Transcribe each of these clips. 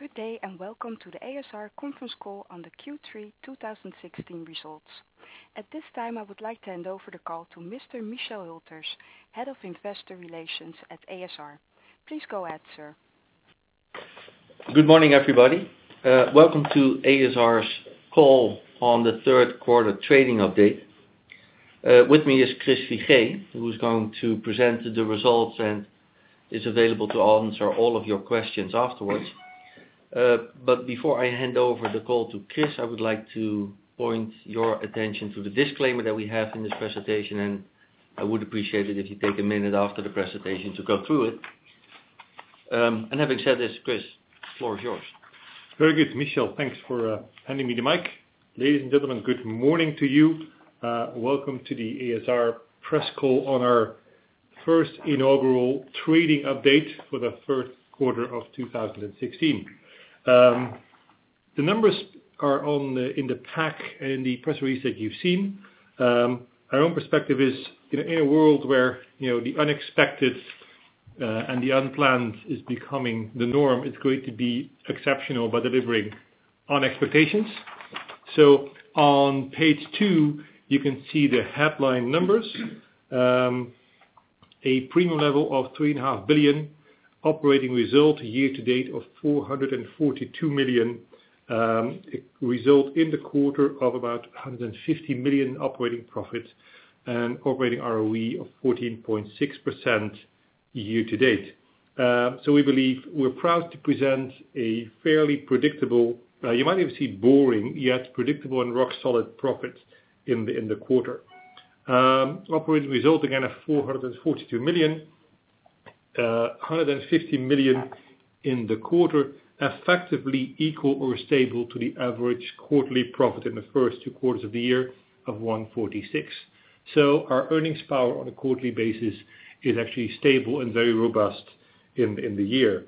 Good day. Welcome to the ASR conference call on the Q3 2016 results. At this time, I would like to hand over the call to Mr. Michel Hülters, Head of Investor Relations at ASR. Please go ahead, sir. Good morning, everybody. Welcome to ASR's call on the third quarter trading update. With me is Chris Figee, who's going to present the results and is available to answer all of your questions afterwards. Before I hand over the call to Chris, I would like to point your attention to the disclaimer that we have in this presentation. I would appreciate it if you take a minute after the presentation to go through it. Having said this, Chris, the floor is yours. Very good, Michel. Thanks for handing me the mic. Ladies and gentlemen, good morning to you. Welcome to the ASR press call on our first inaugural trading update for the first quarter of 2016. The numbers are in the pack, in the press release that you've seen. Our own perspective is in a world where the unexpected and the unplanned is becoming the norm, it's going to be exceptional by delivering on expectations. On page two, you can see the headline numbers. A premium level of three and a half billion, operating result year to date of 442 million, result in the quarter of about 150 million operating profit. Operating ROE of 14.6% year to date. We believe we're proud to present a fairly predictable, you might even say boring, yet predictable and rock solid profit in the quarter. Operating result, again, of 442 million, 150 million in the quarter, effectively equal or stable to the average quarterly profit in the first two quarters of the year of 146 million. Our earnings power on a quarterly basis is actually stable and very robust in the year.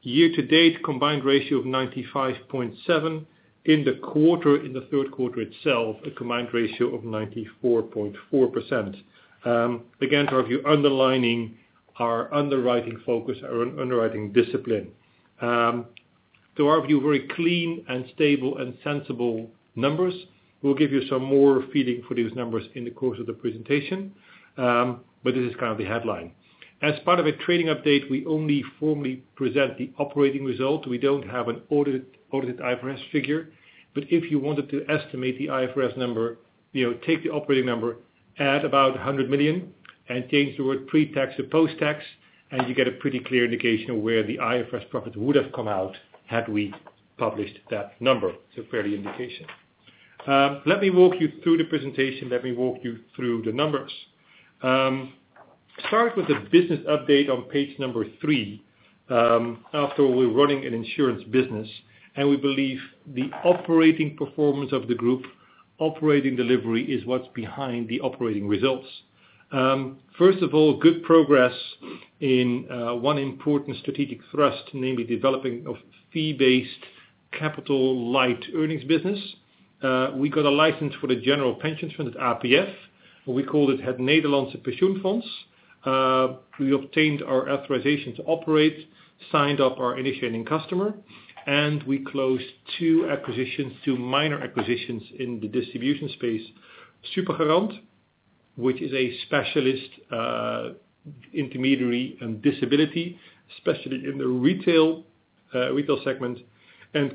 Year to date, combined ratio of 95.7% in the quarter. In the third quarter itself, a combined ratio of 94.4%. Again, to our view, underlining our underwriting focus, our underwriting discipline. To our view, very clean and stable and sensible numbers. We'll give you some more feeling for these numbers in the course of the presentation. This is kind of the headline. As part of a trading update, we only formally present the operating result. We don't have an audited IFRS figure. If you wanted to estimate the IFRS number, take the operating number, add about 100 million, and change the word pre-tax to post-tax, and you get a pretty clear indication of where the IFRS profit would have come out had we published that number. It's a fair indication. Let me walk you through the presentation. Let me walk you through the numbers. Start with the business update on page three. After all, we're running an insurance business, and we believe the operating performance of the group, operating delivery, is what's behind the operating results. First of all, good progress in one important strategic thrust, namely developing of fee-based capital light earnings business. We got a license for the general pension fund at APF. We called it Het Nederlandse Pensioenfonds. We obtained our authorization to operate, signed up our initiating customer, we closed two acquisitions, two minor acquisitions in the distribution space. SuperGarant, which is a specialist intermediary in disability, especially in the retail segment.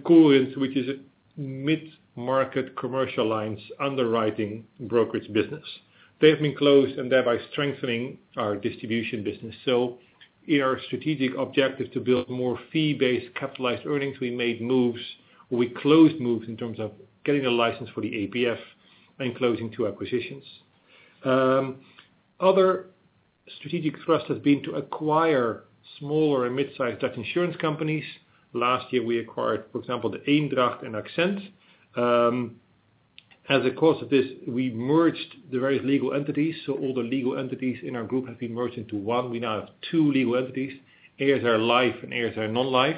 Corins, which is a mid-market commercial lines underwriting brokerage business. They have been closed and thereby strengthening our distribution business. In our strategic objective to build more fee-based capitalized earnings, we made moves, or we closed moves in terms of getting a license for the APF and closing two acquisitions. Other strategic thrust has been to acquire small or mid-sized Dutch insurance companies. Last year, we acquired, for example, the Eendracht and AXENT. As a course of this, we merged the various legal entities, so all the legal entities in our group have been merged into one. We now have two legal entities, ASR Life and ASR Non-Life,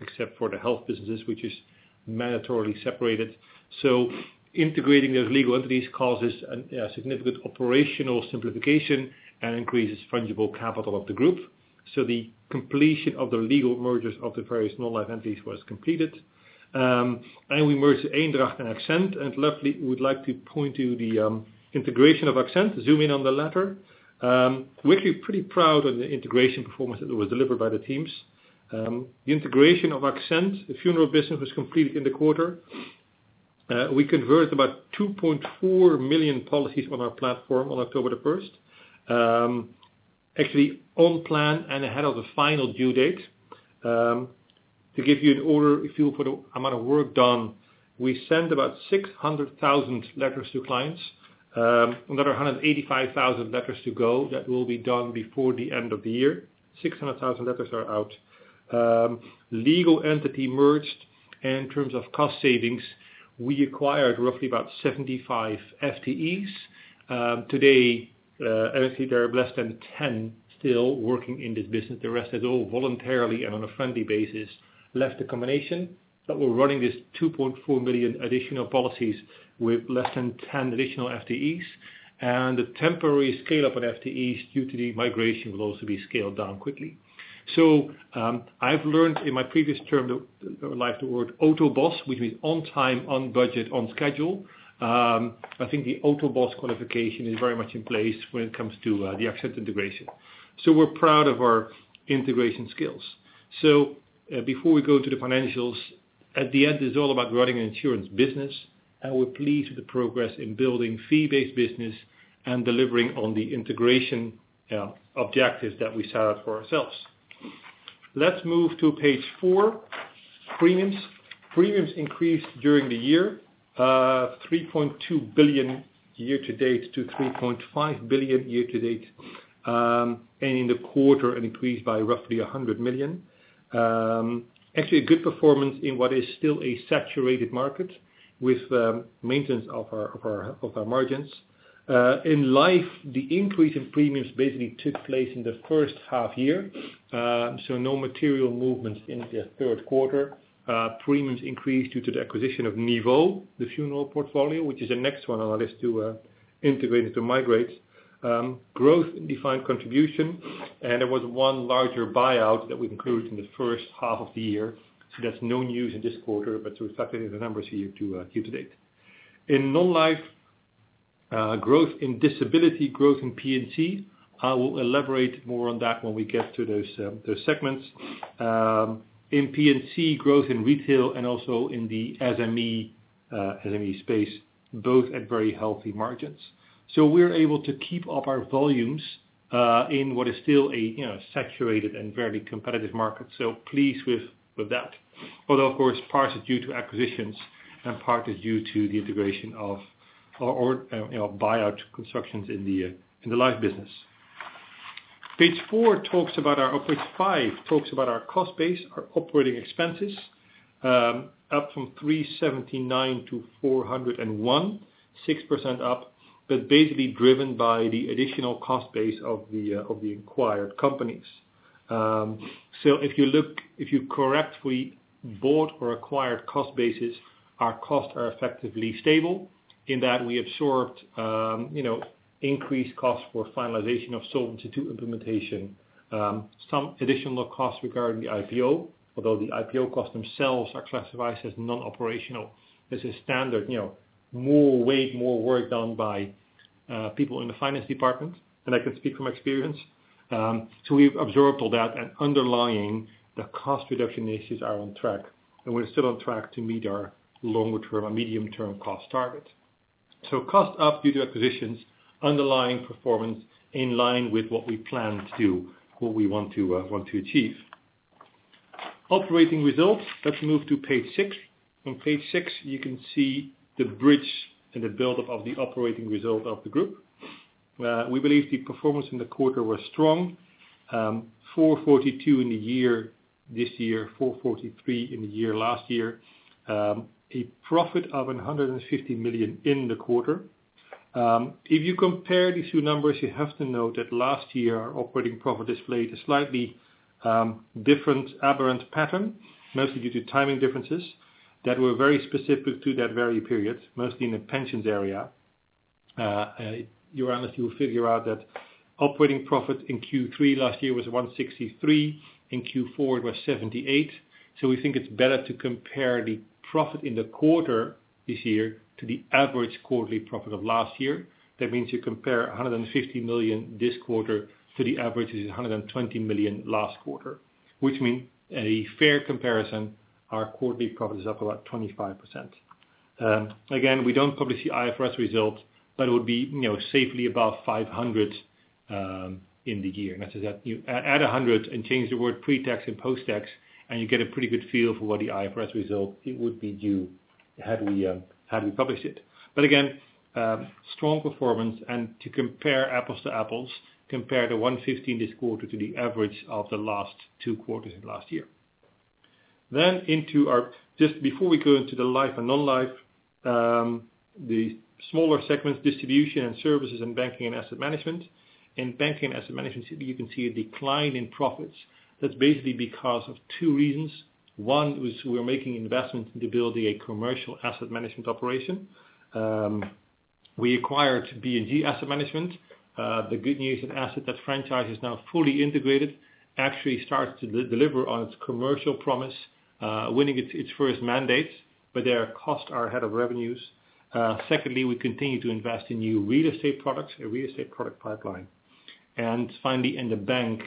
except for the health businesses, which is mandatorily separated. Integrating those legal entities causes a significant operational simplification and increases fungible capital of the group. The completion of the legal mergers of the various non-life entities was completed. We merged Eendracht and AXENT, and would like to point to the integration of AXENT, zoom in on the letter. We're actually pretty proud of the integration performance that was delivered by the teams. The integration of AXENT, the funeral business, was completed in the quarter. We converted about 2.4 million policies on our platform on October 1st. Actually, on plan and ahead of the final due date. To give you an order, if you will, for the amount of work done, we sent about 600,000 letters to clients. Another 185,000 letters to go. That will be done before the end of the year. 600,000 letters are out. Legal entity merged. In terms of cost savings, we acquired roughly about 75 FTEs. Today, honestly, there are less than 10 still working in this business. The rest has all voluntarily and on a friendly basis, left the combination. We're running this 2.4 million additional policies with less than 10 additional FTEs. The temporary scale-up of FTEs due to the migration will also be scaled down quickly. I've learned in my previous term, I like the word OTOBOS, which means on time, on budget, on schedule. I think the OTOBOS qualification is very much in place when it comes to the AXENT integration. We're proud of our integration skills. Before we go to the financials, at the end, it's all about running an insurance business, and we're pleased with the progress in building fee-based business and delivering on the integration objectives that we set out for ourselves. Let's move to page 4, premiums. Premiums increased during the year, 3.2 billion year to date to 3.5 billion year to date. In the quarter, an increase by roughly 100 million. Actually, a good performance in what is still a saturated market with maintenance of our margins. In life, the increase in premiums basically took place in the first half-year, so no material movements in the third quarter. Premiums increased due to the acquisition of Nuvema, the funeral portfolio, which is the next one on our list to integrate, to migrate. Growth defined contribution, and there was one larger buyout that we concluded in the first half of the year. That's no news in this quarter, but reflected in the numbers here to date. In non-life, growth in disability, growth in P&C. I will elaborate more on that when we get to those segments. In P&C, growth in retail and also in the SME space, both at very healthy margins. We're able to keep up our volumes, in what is still a saturated and very competitive market, so pleased with that. Although, of course, part is due to acquisitions and part is due to the integration of or buyout constructions in the life business. Page five talks about our cost base, our operating expenses, up from 379 to 401, 6% up, basically driven by the additional cost base of the acquired companies. If you correctly board or acquire cost bases, our costs are effectively stable in that we absorbed increased costs for finalization of Solvency II implementation. Some additional costs regarding the IPO, although the IPO costs themselves are classified as non-operational. This is standard. More weight, more work done by people in the finance department, and I can speak from experience. We've absorbed all that, and underlying the cost reduction issues are on track, and we're still on track to meet our longer-term or medium-term cost target. Cost up due to acquisitions, underlying performance in line with what we plan to, what we want to achieve. Operating results. Let's move to page six. On page six, you can see the bridge and the buildup of the operating result of the group. We believe the performance in the quarter was strong. 442 in the year this year, 443 in the year last year. A profit of 150 million in the quarter. If you compare these two numbers, you have to note that last year, our operating profit displayed a slightly different aberrant pattern, mostly due to timing differences that were very specific to that very period, mostly in the pensions area. You honestly will figure out that operating profit in Q3 last year was 163. In Q4, it was 78. We think it's better to compare the profit in the quarter this year to the average quarterly profit of last year. That means you compare 150 million this quarter to the average, which is 120 million last quarter. A fair comparison, our quarterly profit is up about 25%. Again, we don't publish the IFRS results, but it would be safely above 500 in the year. That is that you add 100 and change the word pre-tax and post-tax, and you get a pretty good feel for what the IFRS result would be due had we published it. Again, strong performance and to compare apples to apples, compare the 150 this quarter to the average of the last two quarters in last year. Just before we go into the life and non-life, the smaller segments, distribution and services and banking and asset management. In banking and asset management, you can see a decline in profits. That is basically because of two reasons. One was we are making investments into building a commercial asset management operation. We acquired BNG Asset Management. The good news, an asset, that franchise is now fully integrated, actually starts to deliver on its commercial promise, winning its first mandate, but their costs are ahead of revenues. Secondly, we continue to invest in new real estate products, a real estate product pipeline. Finally, in the bank,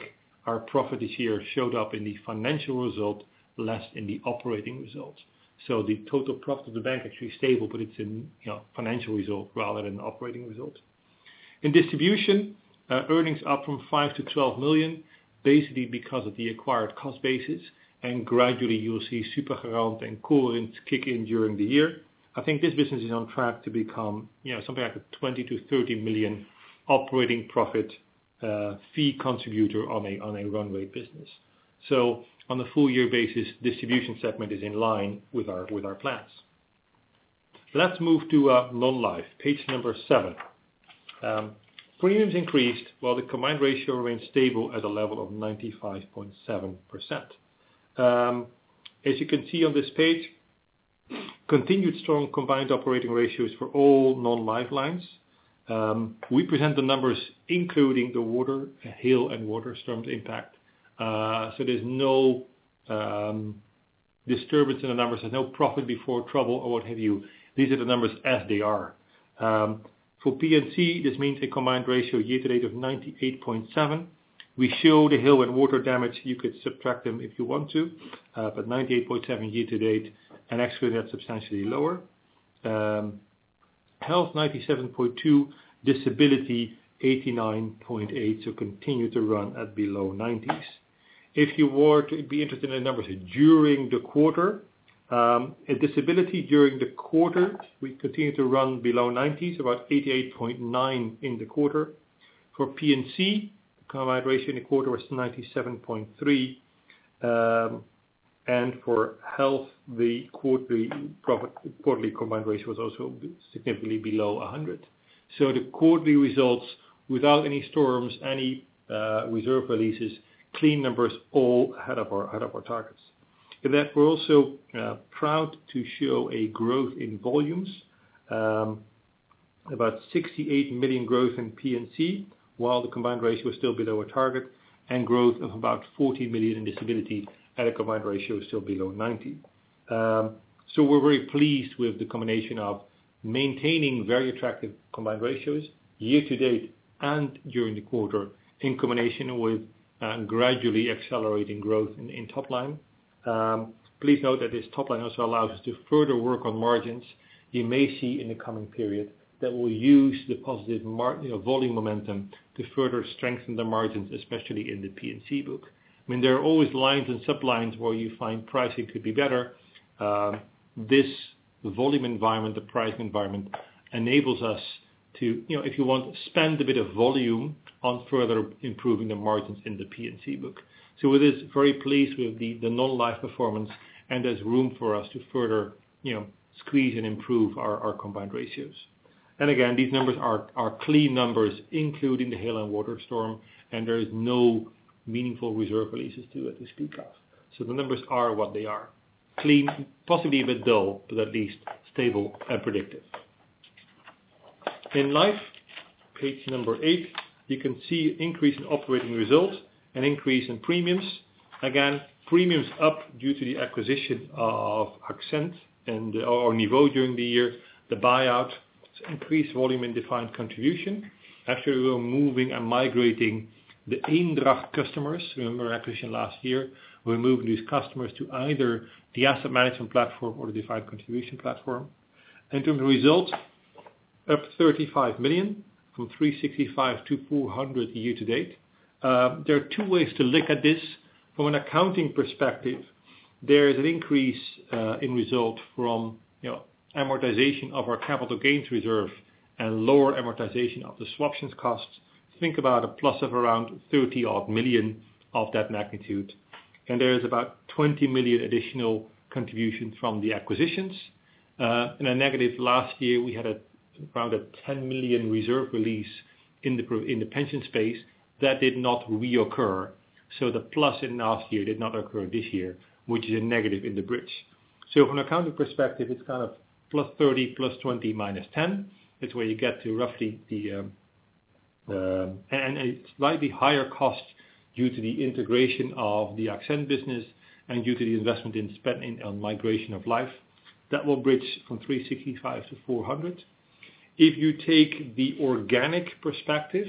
our profit this year showed up in the financial result, less in the operating results. The total profit of the bank actually is stable, but it is in financial result rather than operating results. In distribution, earnings up from 5 million to 12 million, basically because of the acquired cost basis, and gradually you will see SuperGarant and Corins kick in during the year. I think this business is on track to become something like a 20 million to 30 million operating profit, fee contributor on a runway business. On the full year basis, distribution segment is in line with our plans. Let us move to non-life, page number seven. Premiums increased while the combined ratio remained stable at a level of 95.7%. As you can see on this page, continued strong combined operating ratios for all non-life lines. We present the numbers including the water, hail, and water storm impact. There is no disturbance in the numbers and no profit before trouble or what have you. These are the numbers as they are. For P&C, this means a combined ratio year to date of 98.7%. We show the hail and water damage. You could subtract them if you want to, but 98.7% year to date, and actually that is substantially lower. Health 97.2%, disability 89.8%, so continue to run at below 90%. If you were to be interested in the numbers during the quarter. At disability during the quarter, we continue to run below 90%, about 88.9% in the quarter. For P&C, combined ratio in the quarter was 97.3%. For health, the quarterly combined ratio was also significantly below 100%. The quarterly results without any storms, any reserve releases, clean numbers all ahead of our targets. With that we are also proud to show a growth in volumes, about 68 million growth in P&C while the combined ratio is still below our target and growth of about 14 million in disability at a combined ratio still below 90%. We are very pleased with the combination of maintaining very attractive combined ratios year to date and during the quarter in combination with gradually accelerating growth in top line. Please note that this top line also allows us to further work on margins. You may see in the coming period that we will use the positive volume momentum to further strengthen the margins, especially in the P&C book. There are always lines and sub-lines where you find pricing could be better. This volume environment, the pricing environment, enables us to, if you want, spend a bit of volume on further improving the margins in the P&C book. With this, very pleased with the non-life performance and there's room for us to further squeeze and improve our combined ratios. Again, these numbers are clean numbers, including the hail and water storm, and there is no meaningful reserve releases too at this point. The numbers are what they are. Clean, possibly even dull, but at least stable and predictive. In life, page number eight, you can see increase in operating results and increase in premiums. Again, premiums up due to the acquisition of AXENT and our Nuvema during the year. The buyout increased volume in defined contribution. Actually, we're moving and migrating the Eendracht customers, remember acquisition last year. We're moving these customers to either the asset management platform or the defined contribution platform. In terms of results, up 35 million from 365 to 400 year to date. There are two ways to look at this. From an accounting perspective, there is an increase in result from amortization of our capital gains reserve and lower amortization of the swap costs. Think about a plus of around 30 odd million of that magnitude. There is about 20 million additional contribution from the acquisitions. In a negative last year, we had around a 10 million reserve release in the pension space that did not reoccur. The plus in last year did not occur this year, which is a negative in the bridge. From an accounting perspective, it's kind of +30 +20 -10. That's where you get to roughly the. A slightly higher cost due to the integration of the AXENT business and due to the investment in spending on migration of life. That will bridge from 365 to 400. If you take the organic perspective,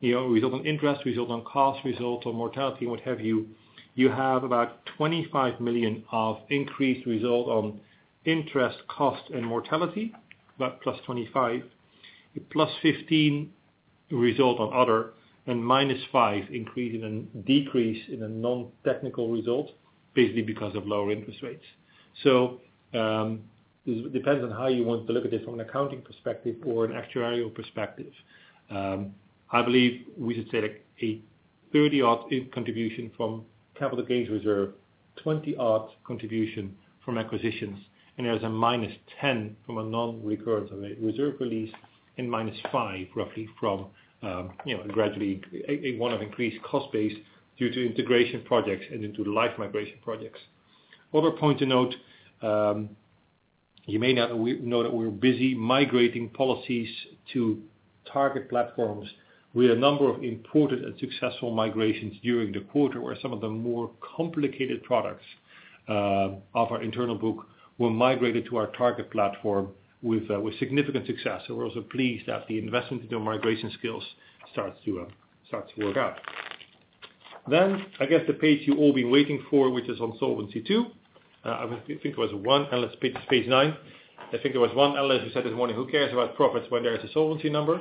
result on interest, result on cost, result on mortality, and what have you. You have about 25 million of increased result on interest cost and mortality, about +25, +15 result on other and -5 decrease in a non-technical result, basically because of lower interest rates. It depends on how you want to look at it from an accounting perspective or an actuarial perspective. I believe we should say like a 30 odd in contribution from capital gains reserve, 20 odd contribution from acquisitions, and there's a -10 from a non-recurrence of a reserve release and -5 roughly from gradually one of increased cost base due to integration projects and into the life migration projects. Other point to note, you may know that we're busy migrating policies to target platforms. We had a number of important and successful migrations during the quarter where some of the more complicated products of our internal book were migrated to our target platform with significant success. We're also pleased that the investment into migration skills starts to work out. I guess the page you've all been waiting for, which is on Solvency II. I think there was one analyst, page nine. I think there was one analyst who said this morning, "Who cares about profits when there is a solvency number?"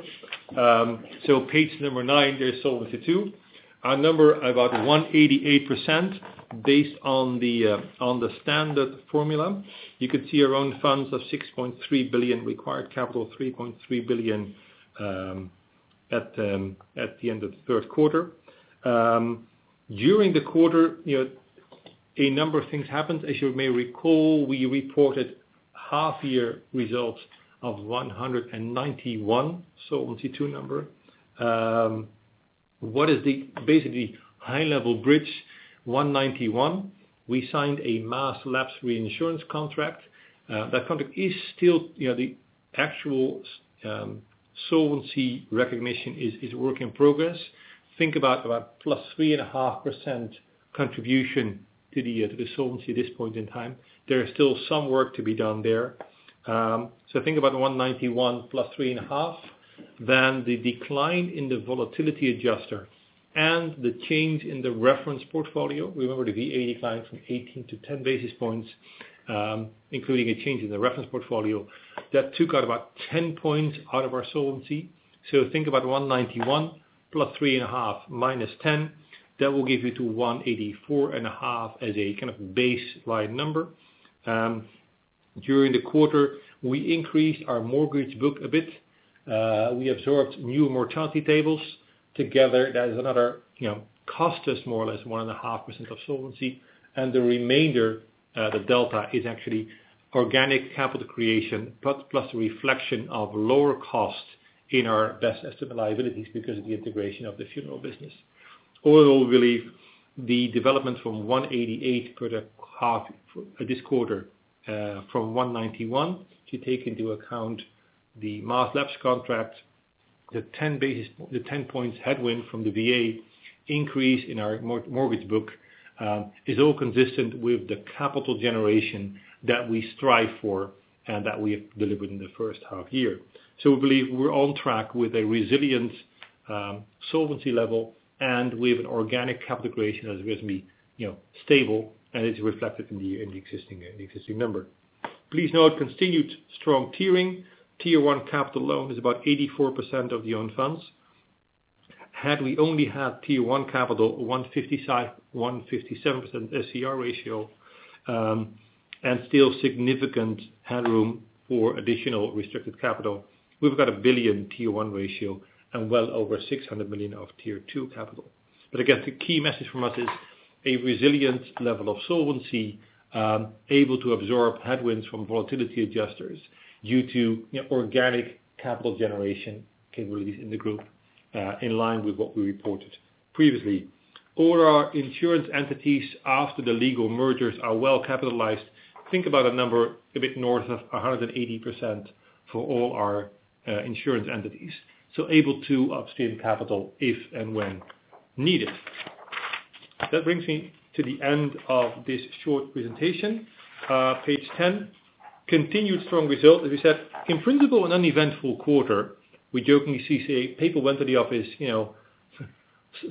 Page nine, there is Solvency II. Our number about 188% based on the standard formula. You could see our own funds of 6.3 billion, required capital 3.3 billion at the end of the third quarter. During the quarter, a number of things happened. As you may recall, we reported half-year results of a 191 Solvency II number. What is the basically high-level bridge 191? We signed a mass lapse reinsurance contract. That contract is still, the actual solvency recognition is work in progress. Think about +3.5% contribution to the solvency at this point in time. There is still some work to be done there. Think about 191 plus 3.5. The decline in the volatility adjuster and the change in the reference portfolio. Remember the VA declined from 18 to 10 basis points, including a change in the reference portfolio that took out about 10 points out of our solvency. Think about 191 plus 3.5 minus 10. That will give you to 184.5 as a kind of baseline number. During the quarter, we increased our mortgage book a bit. We absorbed new mortality tables. Together that is another cost us more or less 1.5% of solvency, and the remainder, the delta, is actually organic capital creation, plus reflection of lower costs in our best estimate liabilities because of the integration of the funeral business. All in all, really, the development from 188 for this quarter from 191 to take into account the mass lapse contract, the 10 points headwind from the VA increase in our mortgage book, is all consistent with the capital generation that we strive for and that we have delivered in the first half-year. We believe we are on track with a resilient solvency level and with an organic capital creation that has been stable and is reflected in the existing number. Please note continued strong tiering. Tier 1 capital alone is about 84% of the own funds. Had we only had Tier 1 capital, a 157% SCR ratio, and still significant headroom for additional restricted capital. We have got a 1 billion Tier 1 ratio and well over 600 million of Tier 2 capital. Again, the key message from us is a resilient level of solvency, able to absorb headwinds from volatility adjusters due to organic capital generation capabilities in the group. In line with what we reported previously. All our insurance entities after the legal mergers are well capitalized. Think about a number a bit north of 180% for all our insurance entities, so able to upstream capital if and when needed. That brings me to the end of this short presentation. Page 10. Continued strong results. As we said, in principle, an uneventful quarter. We jokingly say people went to the office,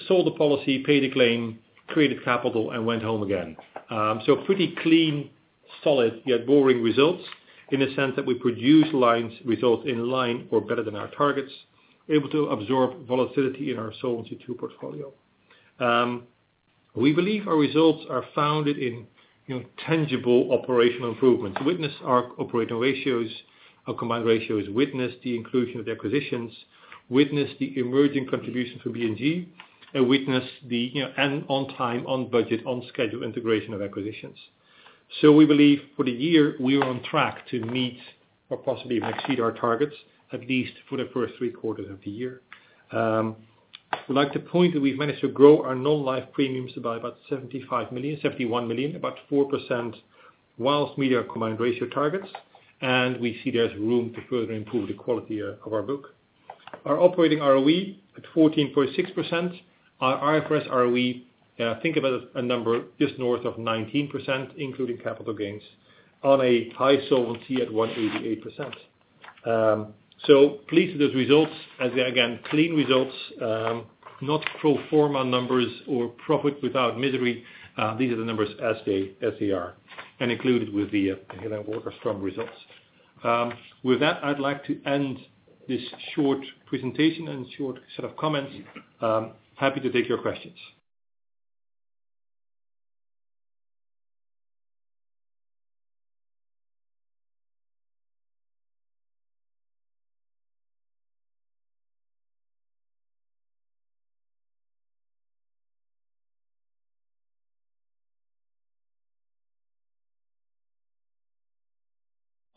sold a policy, paid a claim, created capital, and went home again. Pretty clean, solid, yet boring results in the sense that we produce lines results in line or better than our targets, able to absorb volatility in our Solvency II portfolio. We believe our results are founded in tangible operational improvements. Witness our operating ratios, our combined ratios, witness the inclusion of the acquisitions, witness the emerging contribution from BNG, witness the on time, on budget, on schedule integration of acquisitions. We believe for the year we are on track to meet or possibly exceed our targets, at least for the first three quarters of the year. We'd like to point that we've managed to grow our non-life premiums by about 75 million, 71 million, about 4%, whilst meeting our combined ratio targets. We see there's room to further improve the quality of our book. Our operating ROE at 14.6%. Our IFRS ROE, think about a number just north of 19%, including capital gains on a high solvency at 188%. Pleased with those results. As again, clean results, not pro forma numbers or profit without misery. These are the numbers as they are included with the headline work of strong results. With that, I'd like to end this short presentation and short set of comments. Happy to take your questions.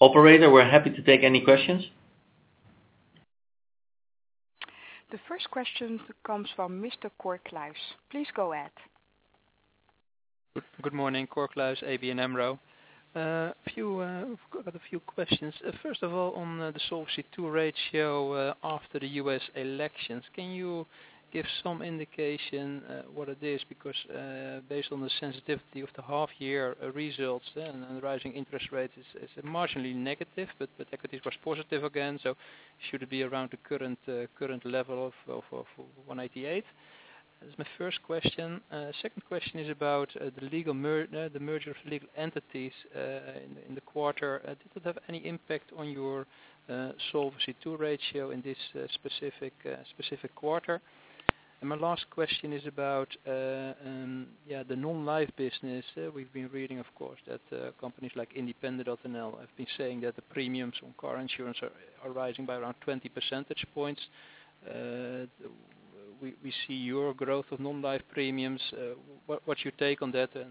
Operator. We're happy to take any questions. The first question comes from Mr. Cor Kluis. Please go ahead. Good morning, Cor Kluis, ABN AMRO. I've got a few questions. First of all, on the Solvency II ratio after the U.S. elections, can you give some indication what it is? Based on the sensitivity of the half year results and the rising interest rates, it's marginally negative. Equities was positive again, should it be around the current level of 188%? That's my first question. Second question is about the merger of legal entities in the quarter. Did it have any impact on your Solvency II ratio in this specific quarter? My last question is about the non-life business. We've been reading, of course, that companies like Independer.nl have been saying that the premiums on car insurance are rising by around 20 percentage points. We see your growth of non-life premiums. What's your take on that and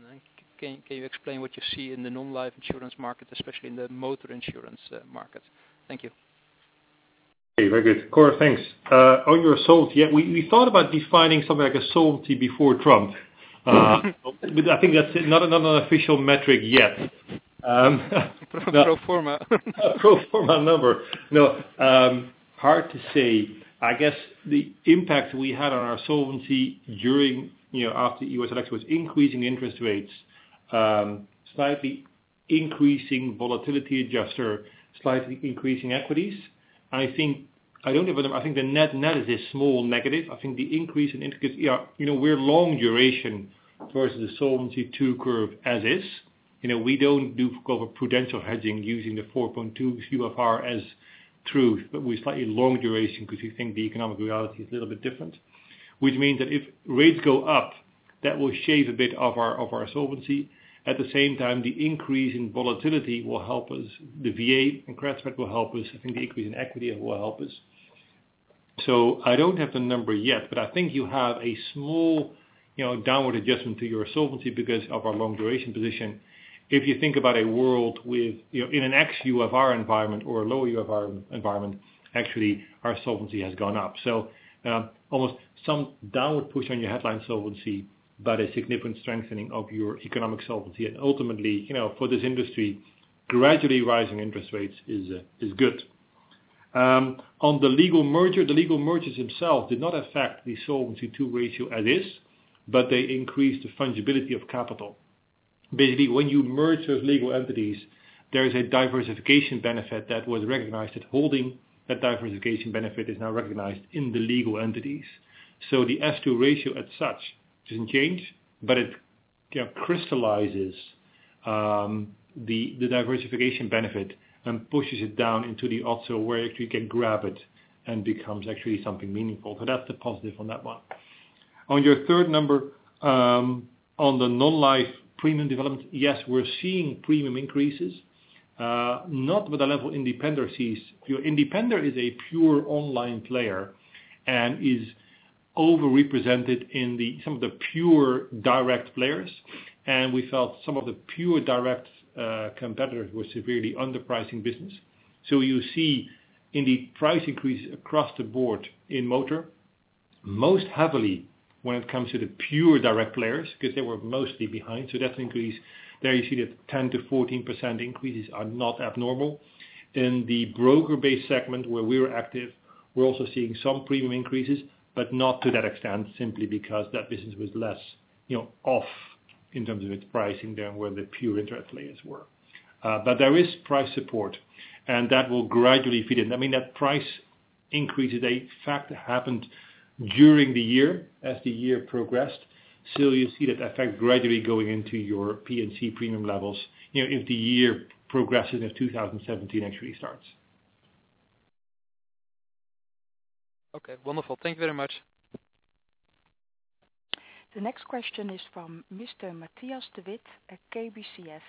can you explain what you see in the non-life insurance market, especially in the motor insurance market? Thank you. Very good. Cor, thanks. On your solvency, we thought about defining something like a solvency before Trump. I think that's not an official metric yet. Pro forma. Pro forma number. No. Hard to say. I guess the impact we had on our solvency after U.S. election was increasing interest rates, slightly increasing volatility adjuster, slightly increasing equities. I think the net is a small negative. We're long duration versus the Solvency II curve as is. We don't do cover prudential hedging using the 4.2 UFR as truth, but we're slightly long duration because we think the economic reality is a little bit different. Which means that if rates go up, that will shave a bit of our solvency. At the same time, the increase in volatility will help us, the VA and credit spread will help us. I think the increase in equity will help us. I don't have the number yet, but I think you have a small downward adjustment to your solvency because of our long duration position. If you think about a world in an X UFR environment or a low UFR environment, actually, our solvency has gone up. Almost some downward push on your headline solvency, but a significant strengthening of your economic solvency. Ultimately, for this industry, gradually rising interest rates is good. On the legal merger, the legal mergers themselves did not affect the Solvency II ratio as is, but they increased the fungibility of capital. When you merge those legal entities, there is a diversification benefit that was recognized, that holding that diversification benefit is now recognized in the legal entities. The S2 ratio as such doesn't change, but it crystallizes the diversification benefit and pushes it down into the OTOBOS where actually you can grab it and becomes actually something meaningful. That's the positive on that one. On your third number, on the non-life premium development. Yes, we're seeing premium increases, not with the level Independer sees. Independer is a pure online player and is over-represented in some of the pure direct players. We felt some of the pure direct competitors were severely underpricing business. You see in the price increase across the board in motor, most heavily when it comes to the pure direct players, because they were mostly behind. That increase there, you see that 10%-14% increases are not abnormal. In the broker-based segment where we're active, we're also seeing some premium increases, but not to that extent, simply because that business was less off in terms of its pricing than where the pure direct players were. There is price support, and that will gradually feed in. Price increase is a fact that happened during the year as the year progressed. You'll see that effect gradually going into your P&C premium levels as the year progresses, as 2017 actually starts. Okay. Wonderful. Thank you very much. The next question is from Mr. Matthias de Wit at KBCS.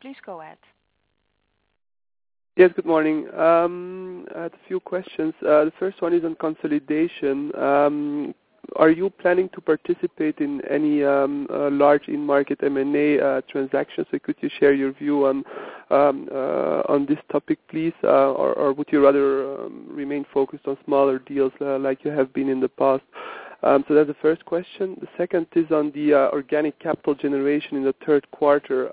Please go ahead. Yes, good morning. I had a few questions. The first one is on consolidation. Are you planning to participate in any large in-market M&A transactions? Could you share your view on this topic, please? Would you rather remain focused on smaller deals like you have been in the past? That's the first question. The second is on the organic capital generation in the third quarter.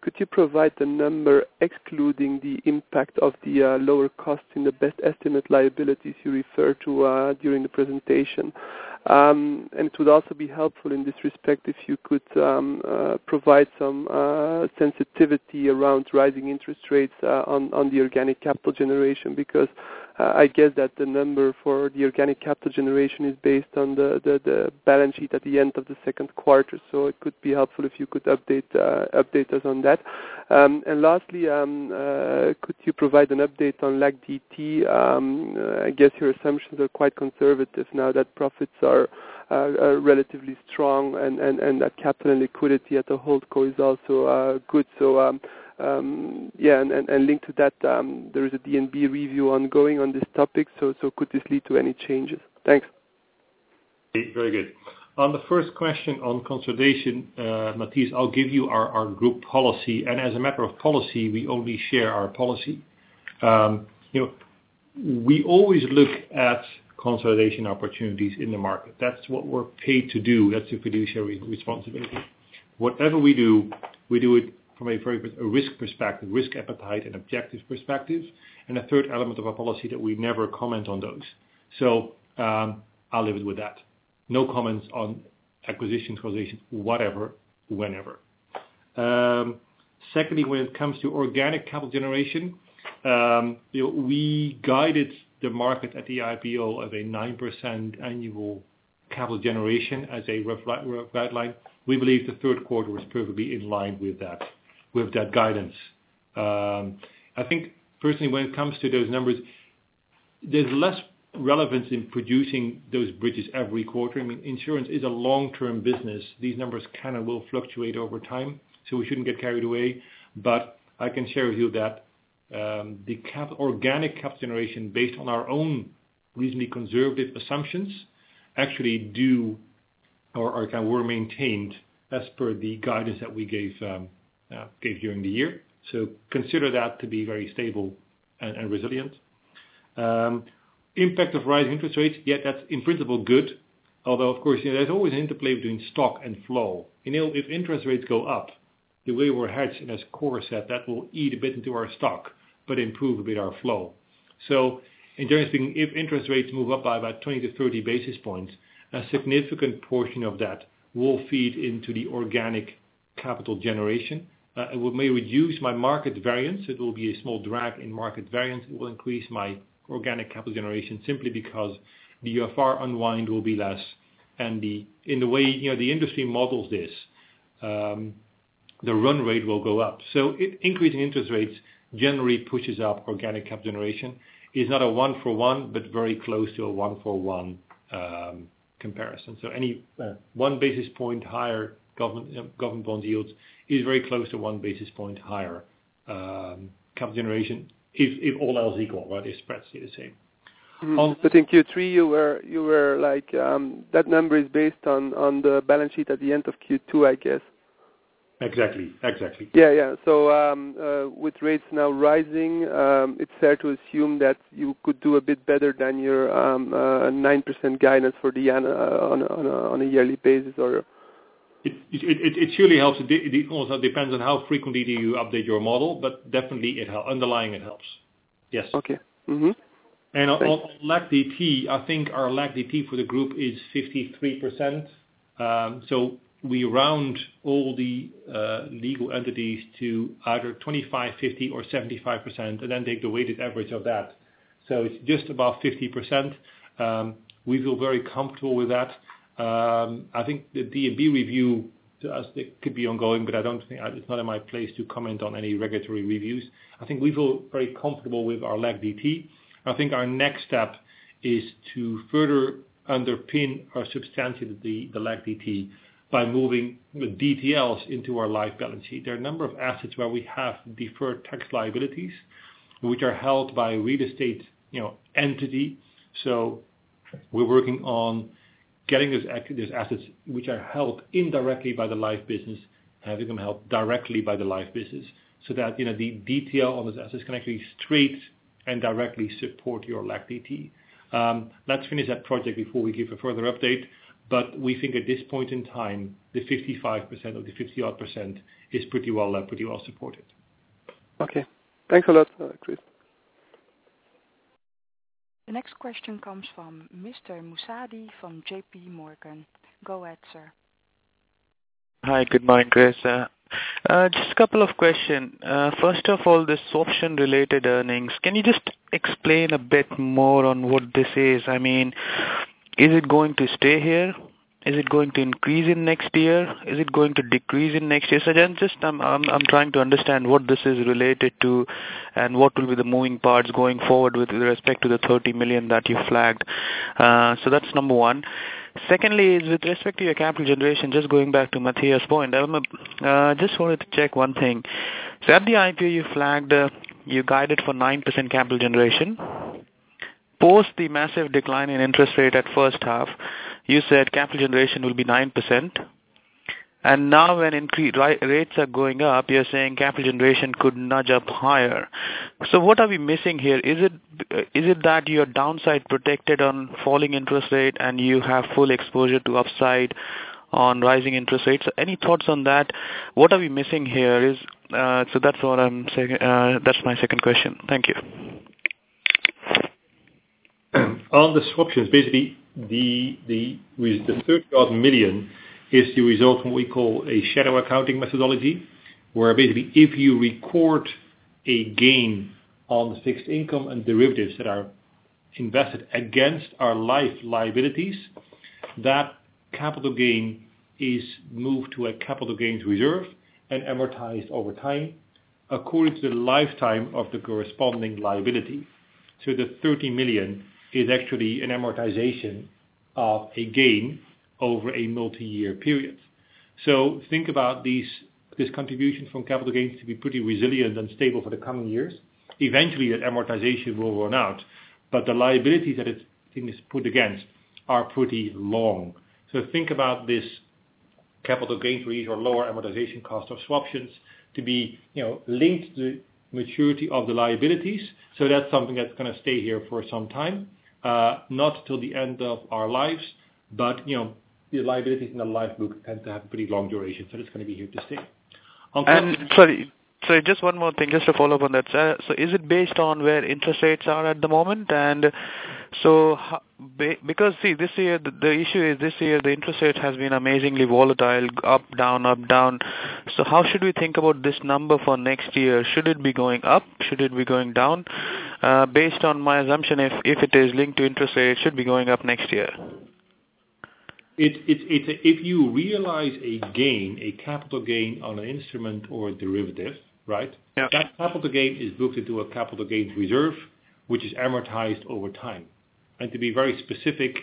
Could you provide the number excluding the impact of the lower cost in the best estimate liabilities you referred to during the presentation? It would also be helpful in this respect if you could provide some sensitivity around rising interest rates on the organic capital generation, because I guess that the number for the organic capital generation is based on the balance sheet at the end of the second quarter. It could be helpful if you could update us on that. Lastly, could you provide an update on LAC DT? I guess your assumptions are quite conservative now that profits are relatively strong and that capital and liquidity at the holdco is also good. Linked to that, there is a DNB review ongoing on this topic, could this lead to any changes? Thanks. Very good. On the first question on consolidation, Matthias, I'll give you our group policy, as a matter of policy, we only share our policy. We always look at consolidation opportunities in the market. That's what we're paid to do. That's a fiduciary responsibility. Whatever we do, we do it from a risk perspective, risk appetite, and objectives perspective. A third element of our policy that we never comment on those. I'll leave it with that. No comments on acquisitions, consolidations, whatever, whenever. Secondly, when it comes to organic capital generation, we guided the market at the IPO of a 9% annual capital generation as a guideline. We believe the third quarter was perfectly in line with that guidance. I think personally, when it comes to those numbers, there's less relevance in producing those bridges every quarter. Insurance is a long-term business. These numbers will fluctuate over time, We shouldn't get carried away. I can share with you that the organic capital generation, based on our own reasonably conservative assumptions, actually were maintained as per the guidance that we gave during the year. Consider that to be very stable and resilient. Impact of rising interest rates, that's in principle good. Although, of course, there's always interplay between stock and flow. If interest rates go up, the way we're hedged in this core set, that will eat a bit into our stock, but improve a bit our flow. In general speaking, if interest rates move up by about 20 to 30 basis points, a significant portion of that will feed into the organic capital generation. It may reduce my market variance. It will be a small drag in market variance. It will increase my organic capital generation simply because the UFR unwind will be less and in the way the industry models this, the run rate will go up. Increasing interest rates generally pushes up organic capital generation. It's not a one for one, but very close to a one for one comparison. Any one basis point higher government bonds yields is very close to one basis point higher capital generation if all else equal, right? The spreads stay the same. In Q3, that number is based on the balance sheet at the end of Q2, I guess. Exactly. With rates now rising, it's fair to assume that you could do a bit better than your 9% guidance for the year on a yearly basis, or? It surely helps. It also depends on how frequently do you update your model, but definitely underlying it helps. Yes. Okay. Thanks. On LAC-DT, I think our LAC-DT for the group is 53%. We round all the legal entities to either 25%, 50% or 75% and then take the weighted average of that. It is just above 50%. We feel very comfortable with that. I think the DNB review to us could be ongoing, but it is not in my place to comment on any regulatory reviews. I think we feel very comfortable with our LAC-DT. I think our next step is to further underpin or substantiate the LAC-DT by moving the DTLs into our life balance sheet. There are a number of assets where we have deferred tax liabilities, which are held by real estate entity. We are working on getting those assets which are held indirectly by the life business, having them held directly by the life business, so that the DTL on those assets can actually straight and directly support your LAC-DT. Let us finish that project before we give a further update, but we think at this point in time, the 55% or the 50-odd % is pretty well supported. Okay. Thanks a lot, Chris. The next question comes from Mr. Moussad from J.P. Morgan. Go ahead, sir. Hi. Good morning, Chris. Just a couple of question. First of all, this option related earnings, can you just explain a bit more on what this is? Is it going to stay here? Is it going to increase in next year? Is it going to decrease in next year? Again, I'm trying to understand what this is related to and what will be the moving parts going forward with respect to the 30 million that you flagged. That's number one. Secondly, with respect to your capital generation, just going back to Matthias' point, I just wanted to check one thing. At the IPO, you guided for 9% capital generation. Post the massive decline in interest rate at first half, you said capital generation will be 9%. Now when rates are going up, you're saying capital generation could nudge up higher. What are we missing here? Is it that you're downside protected on falling interest rate, and you have full exposure to upside on rising interest rates? Any thoughts on that? What are we missing here? That's my second question. Thank you. On the swaptions, basically, the 30 odd million is the result from what we call a shadow accounting methodology, where basically if you record a gain on fixed income and derivatives that are invested against our life liabilities, that capital gain is moved to a capital gains reserve and amortized over time according to the lifetime of the corresponding liability. The 30 million is actually an amortization of a gain over a multi-year period. Think about this contribution from capital gains to be pretty resilient and stable for the coming years. Eventually, that amortization will run out, but the liabilities that it is put against are pretty long. Think about this capital gains release or lower amortization cost of swaptions to be linked to maturity of the liabilities. That's something that's going to stay here for some time. Not till the end of our lives, the liabilities in the life book tend to have pretty long duration. It's going to be here to stay. Sorry, just one more thing, just to follow up on that. Is it based on where interest rates are at the moment? Because, see, the issue is this year, the interest rate has been amazingly volatile, up, down, up, down. How should we think about this number for next year? Should it be going up? Should it be going down? Based on my assumption, if it is linked to interest rate, it should be going up next year. If you realize a gain, a capital gain on an instrument or a derivative, right? Yeah. That capital gain is booked into a capital gains reserve, which is amortized over time. To be very specific,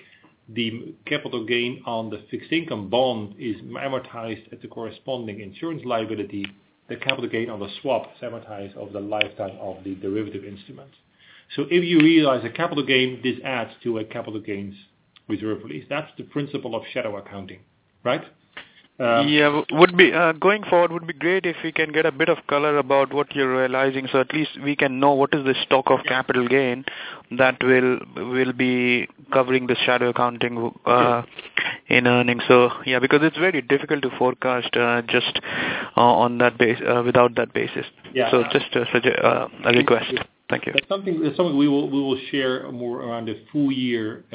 the capital gain on the fixed income bond is amortized at the corresponding insurance liability, the capital gain on the swap is amortized over the lifetime of the derivative instrument. If you realize a capital gain, this adds to a capital gains reserve release. That's the principle of shadow accounting, right? Yeah. Going forward, it would be great if we can get a bit of color about what you're realizing, so at least we can know what is the stock of capital gain that will be covering the shadow accounting- Yeah in earnings. It's very difficult to forecast just without that basis. Yeah. Just a request. Thank you. That's something we will share more around the full year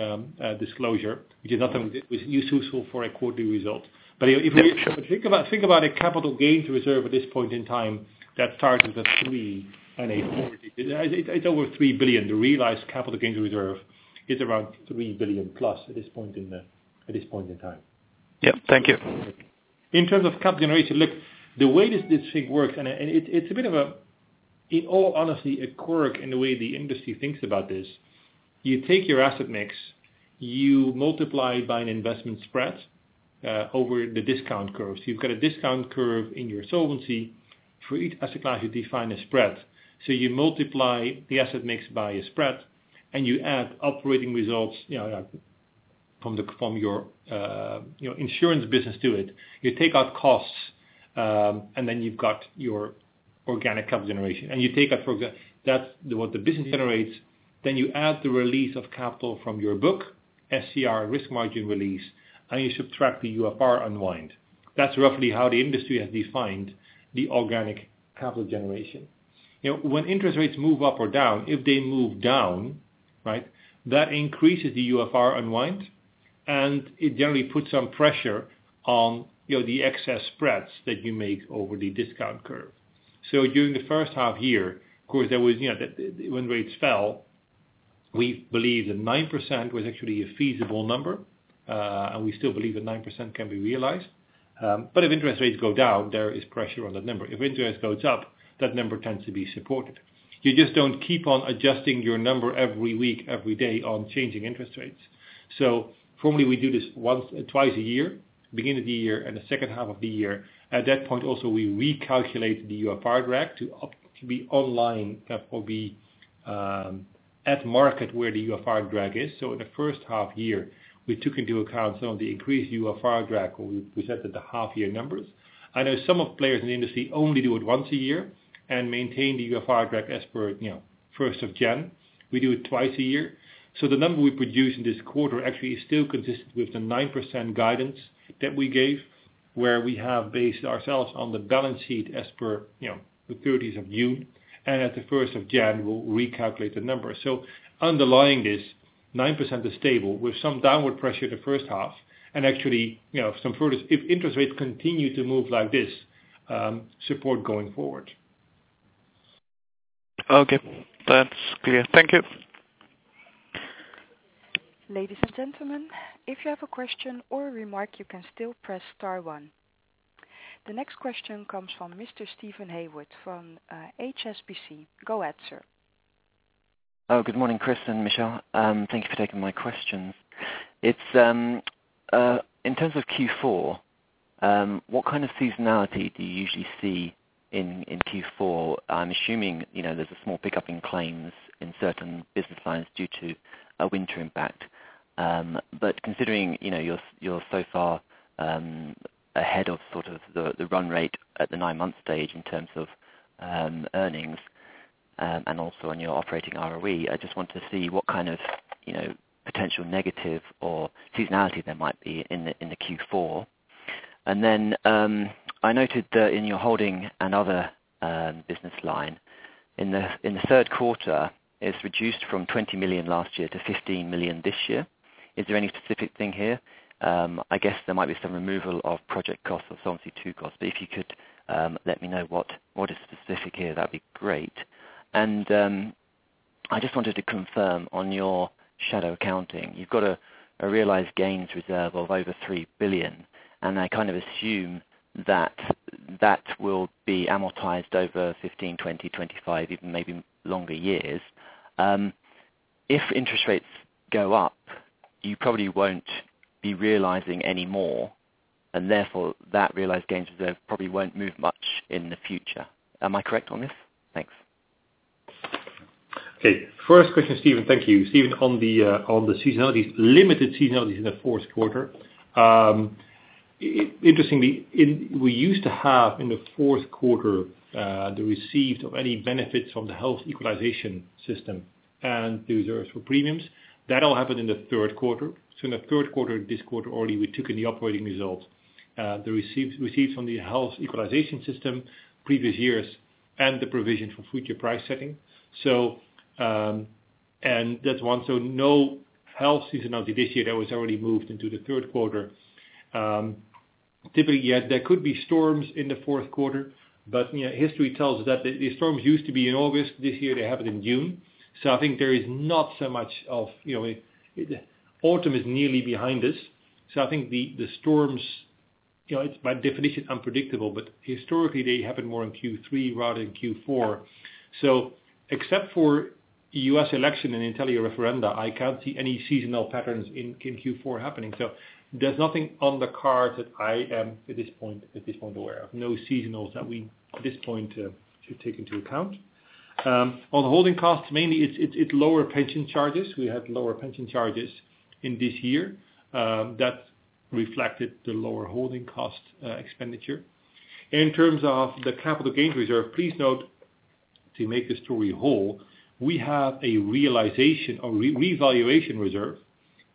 disclosure, which is not something that is useful for a quarterly result. Right I think about a capital gains reserve at this point in time that targets a three and a four. It's over 3 billion. The realized capital gains reserve is around 3 billion plus at this point in time. Yep. Thank you. In terms of capital generation, look, the way this thing works, it's a bit of a, in all honesty, a quirk in the way the industry thinks about this. You take your asset mix, you multiply by an investment spread over the discount curve. You've got a discount curve in your solvency. For each asset class, you define a spread. You multiply the asset mix by a spread and you add operating results from your insurance business to it. You take out costs, then you've got your organic capital generation. That's what the business generates. Then you add the release of capital from your book, SCR risk margin release, and you subtract the UFR unwind. That's roughly how the industry has defined the organic capital generation. When interest rates move up or down, if they move down, that increases the UFR unwind, and it generally puts some pressure on the excess spreads that you make over the discount curve. During the first half year, of course, when rates fell, we believe that 9% was actually a feasible number, and we still believe that 9% can be realized. If interest rates go down, there is pressure on that number. If interest goes up, that number tends to be supported. You just don't keep on adjusting your number every week, every day on changing interest rates. Formally, we do this twice a year, beginning of the year and the second half of the year. At that point also, we recalculate the UFR drag to be online or be at market where the UFR drag is. In the first half year, we took into account some of the increased UFR drag when we presented the half year numbers. I know some of players in the industry only do it once a year and maintain the UFR drag as per 1st of January. We do it twice a year. The number we produce in this quarter actually is still consistent with the 9% guidance that we gave, where we have based ourselves on the balance sheet as per the 30th of June, and at the 1st of January, we'll recalculate the number. Underlying this, 9% is stable with some downward pressure the first half. Actually, if interest rates continue to move like this, support going forward. Okay. That's clear. Thank you. Ladies and gentlemen, if you have a question or a remark, you can still press star one. The next question comes from Mr. Steven Haywood from HSBC. Go ahead, sir. Good morning, Chris and Michel. Thank you for taking my questions. Q4, what kind of seasonality do you usually see in Q4? I'm assuming there's a small pickup in claims in certain business lines due to a winter impact. Considering you're so far ahead of sort of the run rate at the 9-month stage in terms of earnings, also on your operating ROE, I just want to see what kind of potential negative or seasonality there might be in the Q4. I noted that in your holding and other business line, in the Q3, it's reduced from 20 million last year to 15 million this year. Is there any specific thing here? I guess there might be some removal of project costs or Solvency II costs, but if you could let me know what is specific here, that'd be great. I just wanted to confirm on your shadow accounting. You've got a realized gains reserve of over 3 billion, and I kind of assume that that will be amortized over 15, 20, 25, even maybe longer years. If interest rates go up, you probably won't be realizing any more, and therefore that realized gains reserve probably won't move much in the future. Am I correct on this? Thanks. First question, Steven. Thank you. Steven, on the limited seasonality in the Q4. Interestingly, we used to have in the Q4, the receipt of any benefits from the health equalization system and the reserves for premiums. That all happened in the Q3. In the Q3, this quarter already, we took in the operating results. The receipts from the health equalization system, previous years, and the provision for future price setting. No health seasonality this year that was already moved into the Q3. Typically, yes, there could be storms in the Q4, history tells that the storms used to be in August. This year, they happened in June. I think there is not so much of Autumn is nearly behind us. I think the storms, by definition, unpredictable, historically, they happen more in Q3 rather than Q4. Except for U.S. election and Italian referenda, I can't see any seasonal patterns in Q4 happening. There's nothing on the card that I am at this point aware of. No seasonals that we at this point should take into account. On the holding costs, mainly it's lower pension charges. We had lower pension charges in this year that reflected the lower holding cost expenditure. The capital gains reserve, please note, to make the story whole, we have a realization or revaluation reserve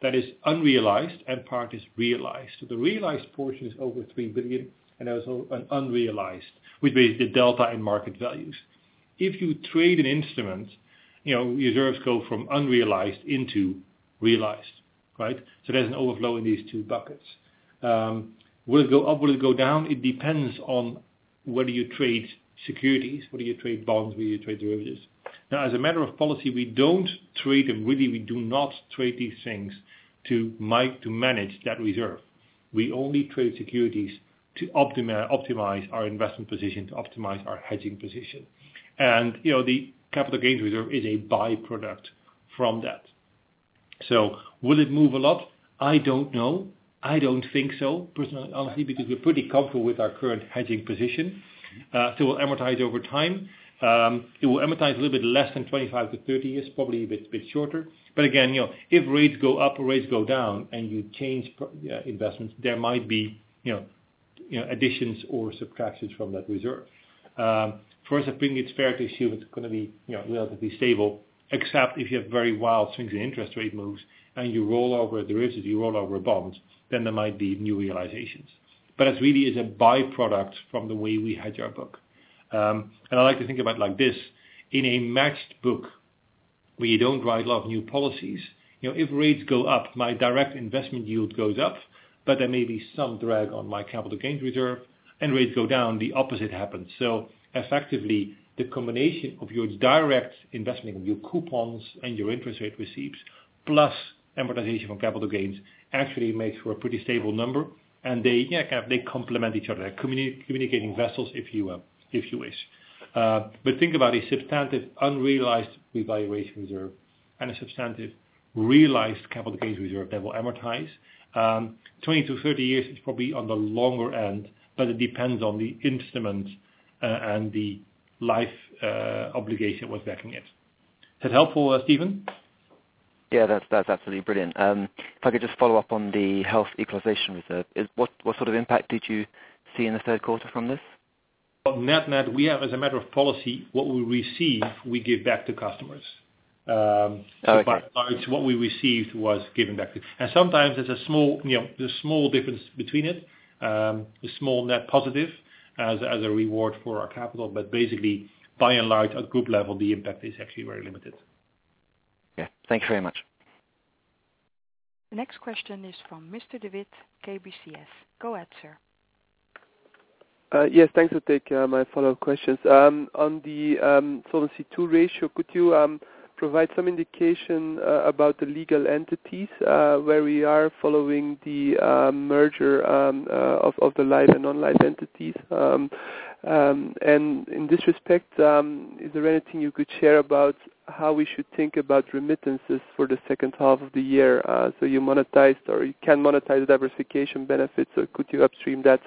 that is unrealized and part is realized. The realized portion is over 3 billion and unrealized, which is the delta in market values. If you trade an instrument, reserves go from unrealized into realized, right? There's an overflow in these two buckets. Will it go up? Will it go down? It depends on whether you trade securities, whether you trade bonds, whether you trade derivatives. As a matter of policy, we don't trade, and really, we do not trade these things to manage that reserve. We only trade securities to optimize our investment position, to optimize our hedging position. The capital gains reserve is a by-product from that. Will it move a lot? I don't know. I don't think so, personally, honestly, because we're pretty comfortable with our current hedging position. We'll amortize over time. It will amortize a little bit less than 25-30 years, probably a bit shorter. Again, if rates go up or rates go down and you change investments, there might be additions or subtractions from that reserve. For us, I think it's fair to assume it's going to be relatively stable, except if you have very wild swings in interest rate moves and you roll over derivatives, you roll over bonds, then there might be new realizations. It really is a by-product from the way we hedge our book. I like to think about it like this. In a matched book, we don't write a lot of new policies. If rates go up, my direct investment yield goes up, but there may be some drag on my capital gains reserve. Rates go down, the opposite happens. Effectively, the combination of your direct investment of your coupons and your interest rate receipts plus amortization from capital gains actually makes for a pretty stable number. They complement each other, communicating vessels, if you wish. Think about a substantive unrealized revaluation reserve and a substantive realized capital gains reserve that will amortize. 20-30 years is probably on the longer end, but it depends on the instrument and the life obligation that was backing it. Is that helpful, Steven? Yeah, that's absolutely brilliant. If I could just follow up on the health equalization reserve. What sort of impact did you see in the third quarter from this? Net, we have, as a matter of policy, what we receive, we give back to customers. Okay. By and large, what we received was given back. Sometimes there's a small difference between it, a small net positive as a reward for our capital. Basically, by and large, at group level, the impact is actually very limited. Yeah. Thanks very much. The next question is from Mr. de Wit, KBCS. Go ahead, sir. Yes. Thanks for taking my follow-up questions. On the Solvency II ratio, could you provide some indication about the legal entities, where we are following the merger of the life and non-life entities? In this respect, is there anything you could share about how we should think about remittances for the second half of the year? You monetized or you can monetize diversification benefits, or could you upstream that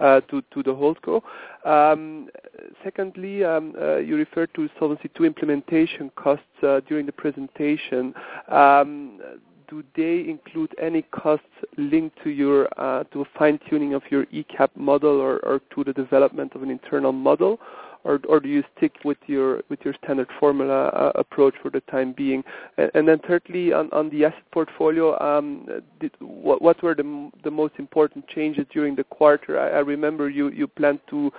to the holdco? Secondly, you referred to Solvency II implementation costs during the presentation. Do they include any costs linked to a fine-tuning of your ECAP model or to the development of an internal model? Do you stick with your standard formula approach for the time being? Thirdly, on the asset portfolio, what were the most important changes during the quarter? I remember you planned to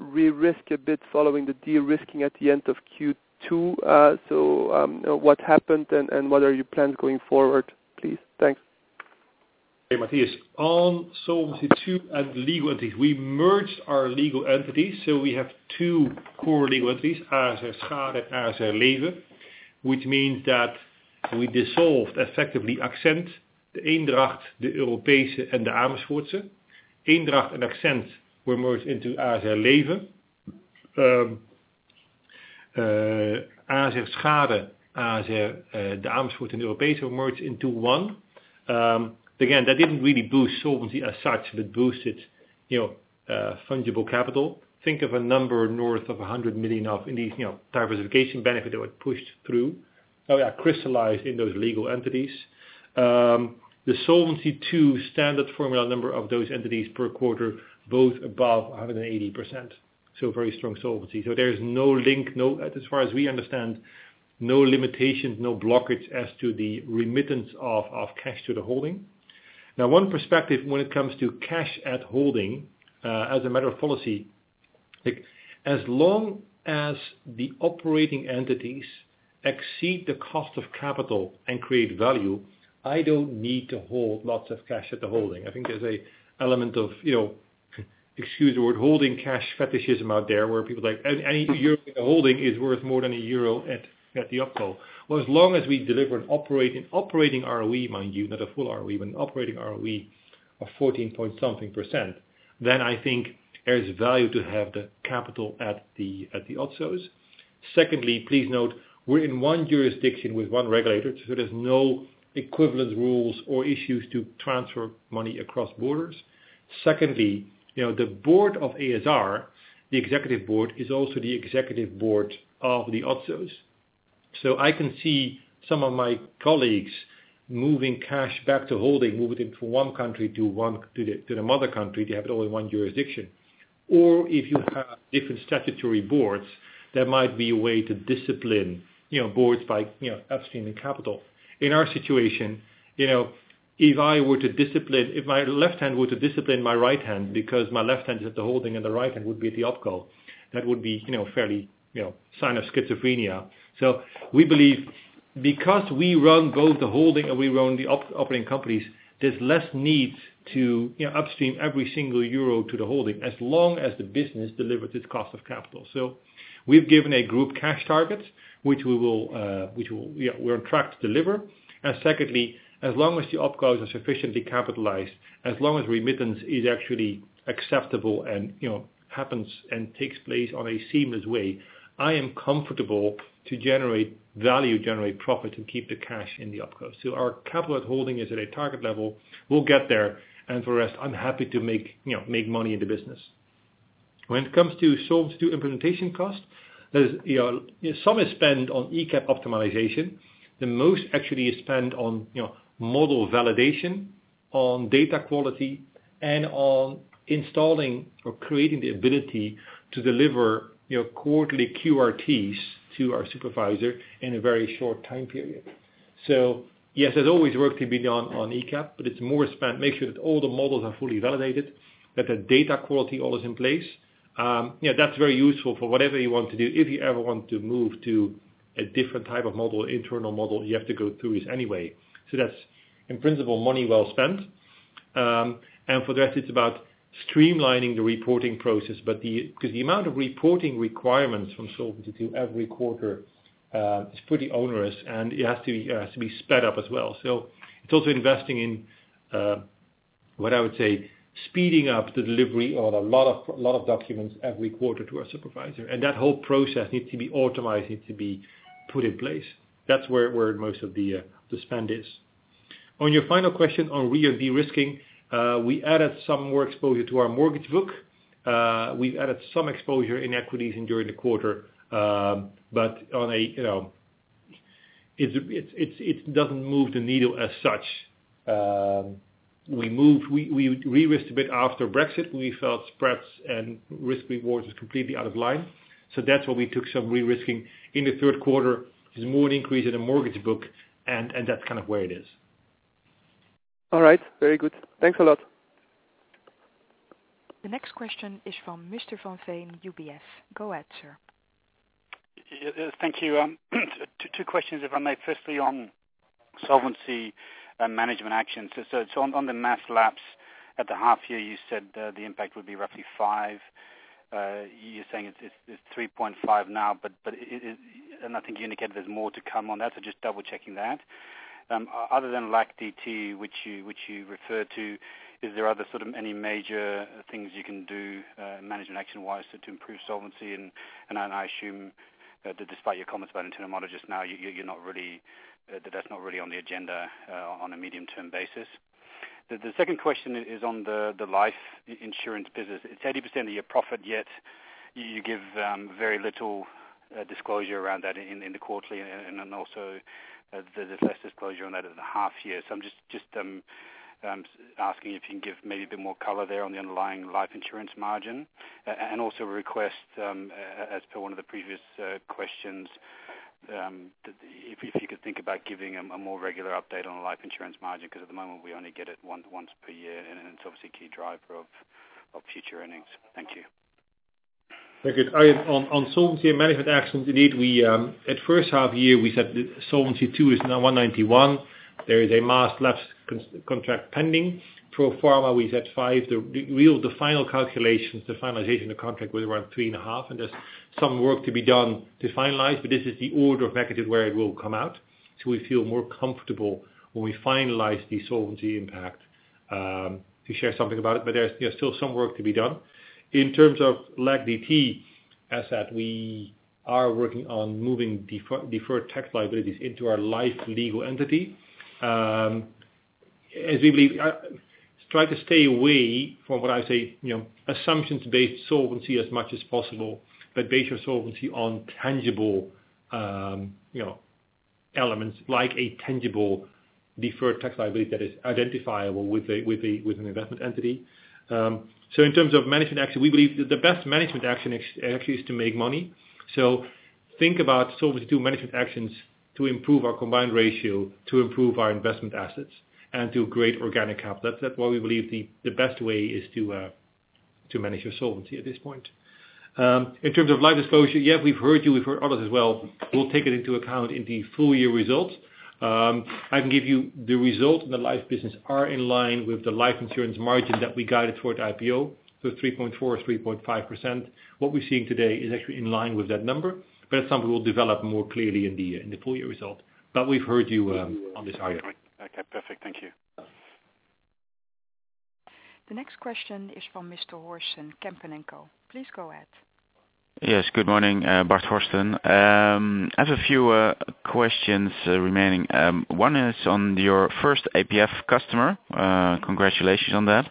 re-risk a bit following the de-risking at the end of Q2. What happened and what are your plans going forward, please? Thanks. Hey, Matthias. On Solvency II and legal entities, we merged our legal entities. We have two core legal entities, ASR Schade and ASR Leven, which means that we dissolved effectively AXENT, De Eendracht, De Europeesche and De Amersfoortse. Eendracht and AXENT were merged into ASR Leven. ASR Schade, De Amersfoortse and De Europeesche merged into one. Again, that didn't really boost solvency as such. That boosted fungible capital. Think of a number north of 100 million of diversification benefit that was pushed through or crystallized in those legal entities. The Solvency II standard formula number of those entities per quarter, both above 180%. Very strong solvency. There is no link, as far as we understand, no limitations, no blockage as to the remittance of cash to the holding. One perspective when it comes to cash at holding, as a matter of policy, as long as the operating entities exceed the cost of capital and create value, I don't need to hold lots of cash at the holding. I think there's an element of, excuse the word, holding cash fetishism out there, where people are like, "Any euro in the holding is worth more than a euro at the opco." As long as we deliver an operating ROE, mind you, not a full ROE, but an operating ROE of 14.something%, then I think there's value to have the capital at the opcos. Secondly, please note, we're in one jurisdiction with one regulator, there's no equivalent rules or issues to transfer money across borders. Secondly, the board of ASR, the executive board, is also the executive board of the opcos. I can see some of my colleagues moving cash back to holding, moving from one country to the mother country to have it all in one jurisdiction. If you have different statutory boards, that might be a way to discipline boards by upstreaming capital. In our situation, if my left hand were to discipline my right hand because my left hand is at the holding and the right hand would be at the opco, that would be fairly sign of schizophrenia. We believe because we run both the holding and we run the operating companies, there's less need to upstream every single EUR to the holding as long as the business delivers its cost of capital. We've given a group cash target, which we're on track to deliver. Secondly, as long as the opcos are sufficiently capitalized, as long as remittance is actually acceptable and happens and takes place on a seamless way, I am comfortable to generate value, generate profit, and keep the cash in the opco. Our capital at holding is at a target level. We'll get there, and for rest, I'm happy to make money in the business. When it comes to Solvency II implementation cost, some is spent on ECAP optimization. The most actually is spent on model validation, on data quality, and on installing or creating the ability to deliver quarterly QRTs to our supervisor in a very short time period. Yes, there's always work to be done on ECAP, but it's more spent making sure that all the models are fully validated, that the data quality all is in place. That's very useful for whatever you want to do. If you ever want to move to a different type of model, internal model, you have to go through this anyway. That's, in principle, money well spent. For that, it's about streamlining the reporting process, because the amount of reporting requirements from Solvency II every quarter is pretty onerous and it has to be sped up as well. It's also investing in, what I would say, speeding up the delivery of a lot of documents every quarter to our supervisor. That whole process needs to be automated, needs to be put in place. That's where most of the spend is. On your final question on re-de-risking, we added some more exposure to our mortgage book. We've added some exposure in equities during the quarter, but it doesn't move the needle as such. We re-risked a bit after Brexit. We felt spreads and risk rewards was completely out of line. That's why we took some re-risking in the third quarter. It's more an increase in the mortgage book, and that's kind of where it is. All right. Very good. Thanks a lot. The next question is from Mr. Van Veen, UBS. Go ahead, sir. Thank you. Two questions, if I may. Firstly, on solvency and management actions. On the mass lapse at the half year, you said the impact would be roughly five. You're saying it's 3.5 now, and I think you indicated there's more to come on that, just double checking that. Other than LAC-DT, which you referred to, is there other any major things you can do management action-wise to improve solvency? I assume that despite your comments about internal models just now, that that's not really on the agenda on a medium-term basis. The second question is on the life insurance business. It's 80% of your profit, yet you give very little disclosure around that in the quarterly, and also there's less disclosure on that at the half year. I'm just asking if you can give maybe a bit more color there on the underlying life insurance margin, and also a request, as per one of the previous questions, if you could think about giving a more regular update on the life insurance margin, because at the moment we only get it once per year, and it's obviously a key driver of future earnings. Thank you. Very good. On Solvency II and management actions, indeed, at first half year, we said Solvency II is now 191%. There is a mass lapse contract pending. Pro forma, we said 5%. The final calculations, the finalization of the contract was around 3.5%, and there is some work to be done to finalize, but this is the order of magnitude where it will come out. We feel more comfortable when we finalize the solvency impact to share something about it, but there is still some work to be done. In terms of LAC-DT asset, we are working on moving deferred tax liabilities into our life legal entity. As we believe, try to stay away from what I say, assumptions-based solvency as much as possible, but base your solvency on tangible elements like a tangible deferred tax liability that is identifiable with an investment entity. In terms of management action, we believe that the best management action actually is to make money. Think about solvency, do management actions to improve our combined ratio, to improve our investment assets, and to create organic capital. That is why we believe the best way is to manage your solvency at this point. In terms of life disclosure, yeah, we have heard you, we have heard others as well. We will take it into account in the full-year results. I can give you the result. The life business are in line with the life insurance margin that we guided toward IPO, so 3.4%-3.5%. What we are seeing today is actually in line with that number. That is something we will develop more clearly in the full-year result. We have heard you on this item. Okay, perfect. Thank you. The next question is from Mr. Horsten, Kempen & Co. Please go ahead. Yes, good morning. Bart Horsten. I have a few questions remaining. One is on your first APF customer. Congratulations on that.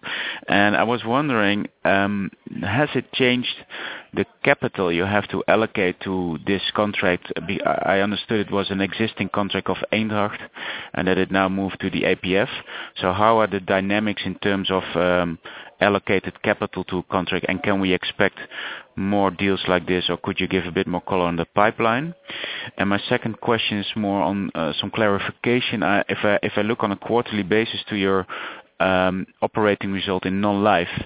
I was wondering, has it changed the capital you have to allocate to this contract? I understood it was an existing contract of Eendracht, and that it now moved to the APF. How are the dynamics in terms of allocated capital to contract, and can we expect more deals like this, or could you give a bit more color on the pipeline? My second question is more on some clarification. If I look on a quarterly basis to your operating result in non-life,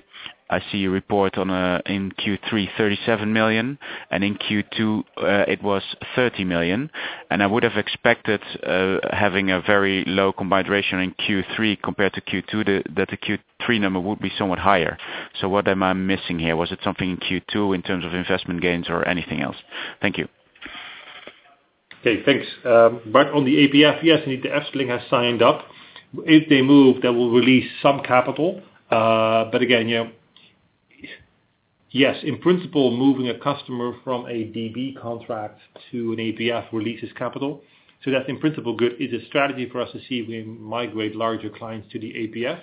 I see you report in Q3, 37 million, and in Q2, it was 30 million. I would have expected having a very low combined ratio in Q3 compared to Q2, that the Q3 number would be somewhat higher. What am I missing here? Was it something in Q2 in terms of investment gains or anything else? Thank you. Okay, thanks. On the APF, yes, indeed, Essilor has signed up. If they move, that will release some capital. Again, yes, in principle, moving a customer from a DB contract to an APF releases capital. That's in principle good. It's a strategy for us to see if we migrate larger clients to the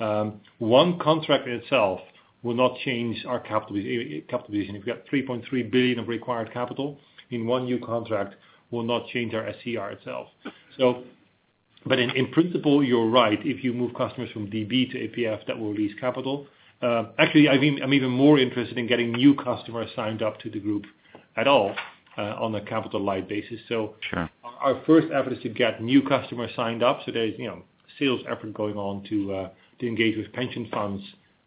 APF. One contract in itself will not change our capital position. If you've got 3.3 billion of required capital, one new contract will not change our SCR itself. In principle, you're right. If you move customers from DB to APF, that will release capital. I'm even more interested in getting new customers signed up to the group at all on a capital-light basis. Sure. Our first effort is to get new customers signed up. There's sales effort going on to engage with pension funds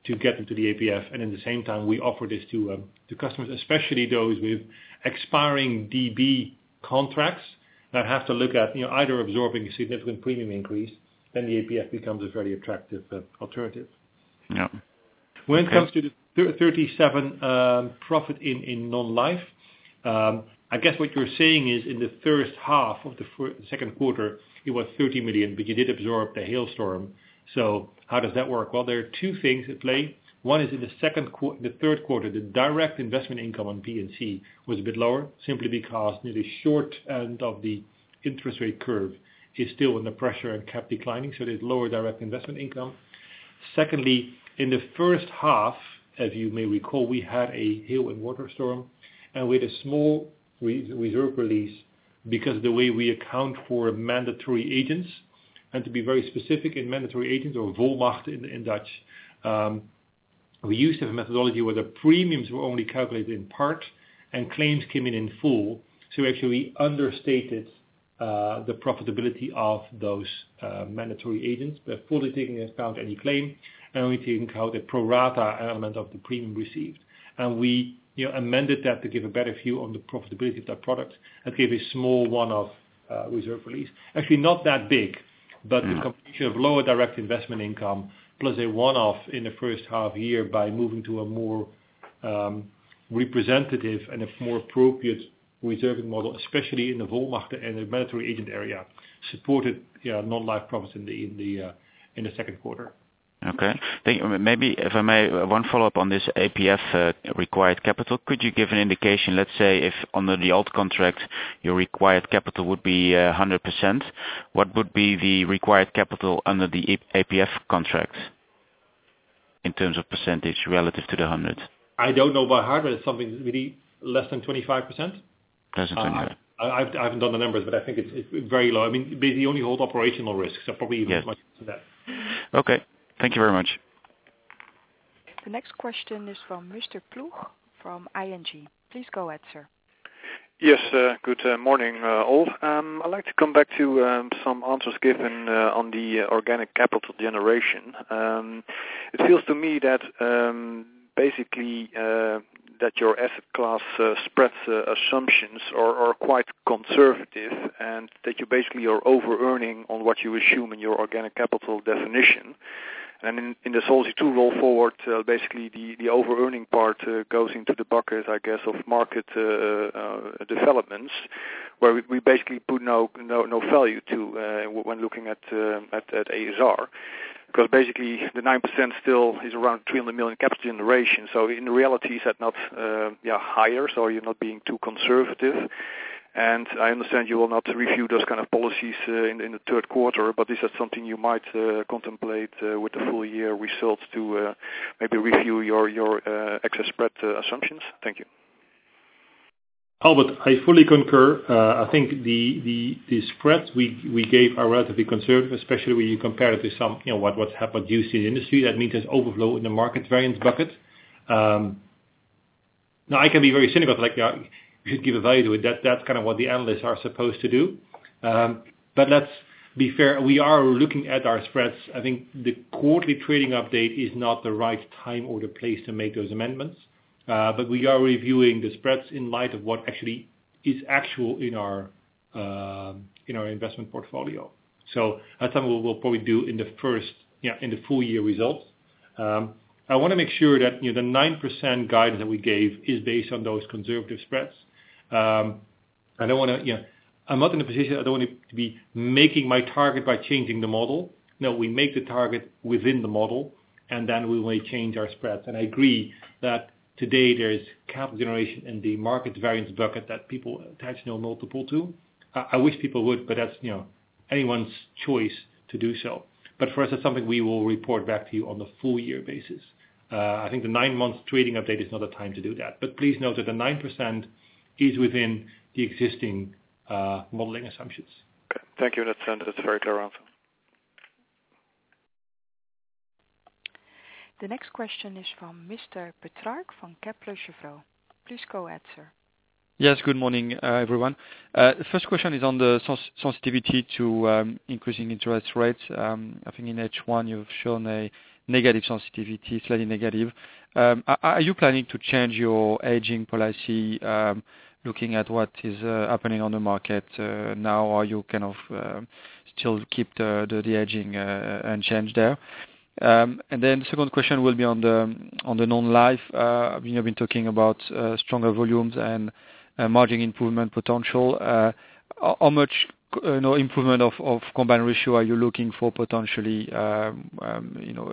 to get them to the APF, and in the same time, we offer this to customers, especially those with expiring DB contracts that have to look at either absorbing a significant premium increase, then the APF becomes a very attractive alternative. Yeah. When it comes to the 37 profit in non-life, I guess what you're saying is in the first half of the second quarter, it was 30 million, but you did absorb the hailstorm. How does that work? Well, there are two things at play. One is in the third quarter, the direct investment income on P&C was a bit lower, simply because the short end of the interest rate curve is still under pressure and kept declining, so there's lower direct investment income. Secondly, in the first half, as you may recall, we had a hail and water storm, and we had a small reserve release because the way we account for mandatory agents, and to be very specific, in mandatory agents or volmacht in Dutch, we used a methodology where the premiums were only calculated in part and claims came in in full. Actually, we understated the profitability of those mandatory agents by fully taking into account any claim, and only taking into account the pro rata element of the premium received. We amended that to give a better view on the profitability of that product. That gave a small one-off reserve release. Actually not that big, but the combination of lower direct investment income plus a one-off in the first half year by moving to a more representative and a more appropriate reserving model, especially in the volmacht and the mandatory agent area, supported non-life profits in the second quarter. Okay. Thank you. Maybe, if I may, one follow-up on this APF required capital. Could you give an indication, let's say if under the old contract, your required capital would be 100%, what would be the required capital under the APF contract in terms of percentage relative to the 100? I don't know by heart, but it's something really less than 25%. Less than 25. I haven't done the numbers, but I think it's very low. The only old operational risks are probably even much less than that. Okay. Thank you very much. The next question is from Mr. Ploeg from ING. Please go ahead, sir. Yes. Good morning, all. I'd like to come back to some answers given on the organic capital generation. It feels to me that your asset class spreads assumptions are quite conservative, and that you basically are over-earning on what you assume in your organic capital definition. In this policy to roll forward, basically the over-earning part goes into the bucket, I guess, of market developments, where we basically put no value to when looking at ASR. The 9% still is around 300 million capital generation. In reality, is that not higher? Are you not being too conservative? I understand you will not review those kind of policies in the third quarter, but is that something you might contemplate with the full-year results to maybe review your excess spread assumptions? Thank you. Albert, I fully concur. I think the spreads we gave are relatively conservative, especially when you compare it to what's happened previously in the industry. That means there's overflow in the market variance bucket. I can be very cynical, like we should give a value to it. That's kind of what the analysts are supposed to do. Let's be fair. We are looking at our spreads. I think the quarterly trading update is not the right time or the place to make those amendments. We are reviewing the spreads in light of what actually is actual in our investment portfolio. That's something we'll probably do in the full-year results. I want to make sure that the 9% guidance that we gave is based on those conservative spreads. I'm not in a position. I don't want it to be making my target by changing the model. We make the target within the model, and then we will change our spreads. I agree that today there is capital generation in the market variance bucket that people attach no multiple to. I wish people would, but that's anyone's choice to do so. For us, it's something we will report back to you on the full-year basis. I think the nine months trading update is not the time to do that. Please note that the 9% is within the existing modeling assumptions. Okay. Thank you. That's very clear answer. The next question is from Mr. Petrarque from Kepler Cheuvreux. Please go ahead, sir. Yes. Good morning, everyone. First question is on the sensitivity to increasing interest rates. I think in H1 you've shown a negative sensitivity, slightly negative. Are you planning to change your hedging policy, looking at what is happening on the market now, or you kind of still keep the hedging unchanged there? Then second question will be on the non-life. You have been talking about stronger volumes and margin improvement potential. How much improvement of combined ratio are you looking for potentially,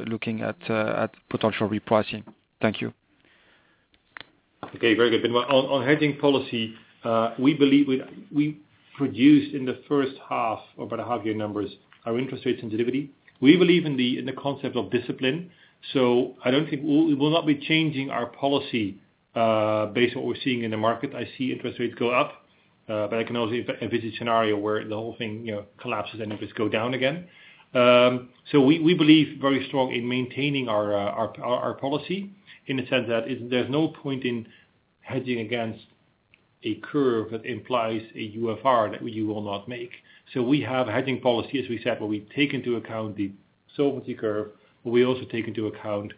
looking at potential repricing? Thank you. Okay, very good. On hedging policy, we produced in the first half about half year numbers, our interest rate sensitivity. We believe in the concept of discipline. I don't think we will not be changing our policy based on what we're seeing in the market. I see interest rates go up, but I can also visit scenario where the whole thing collapses and interest go down again. We believe very strong in maintaining our policy in the sense that there's no point in hedging against a curve that implies a UFR that you will not make. We have hedging policy, as we said, where we take into account the solvency curve, but we also take into account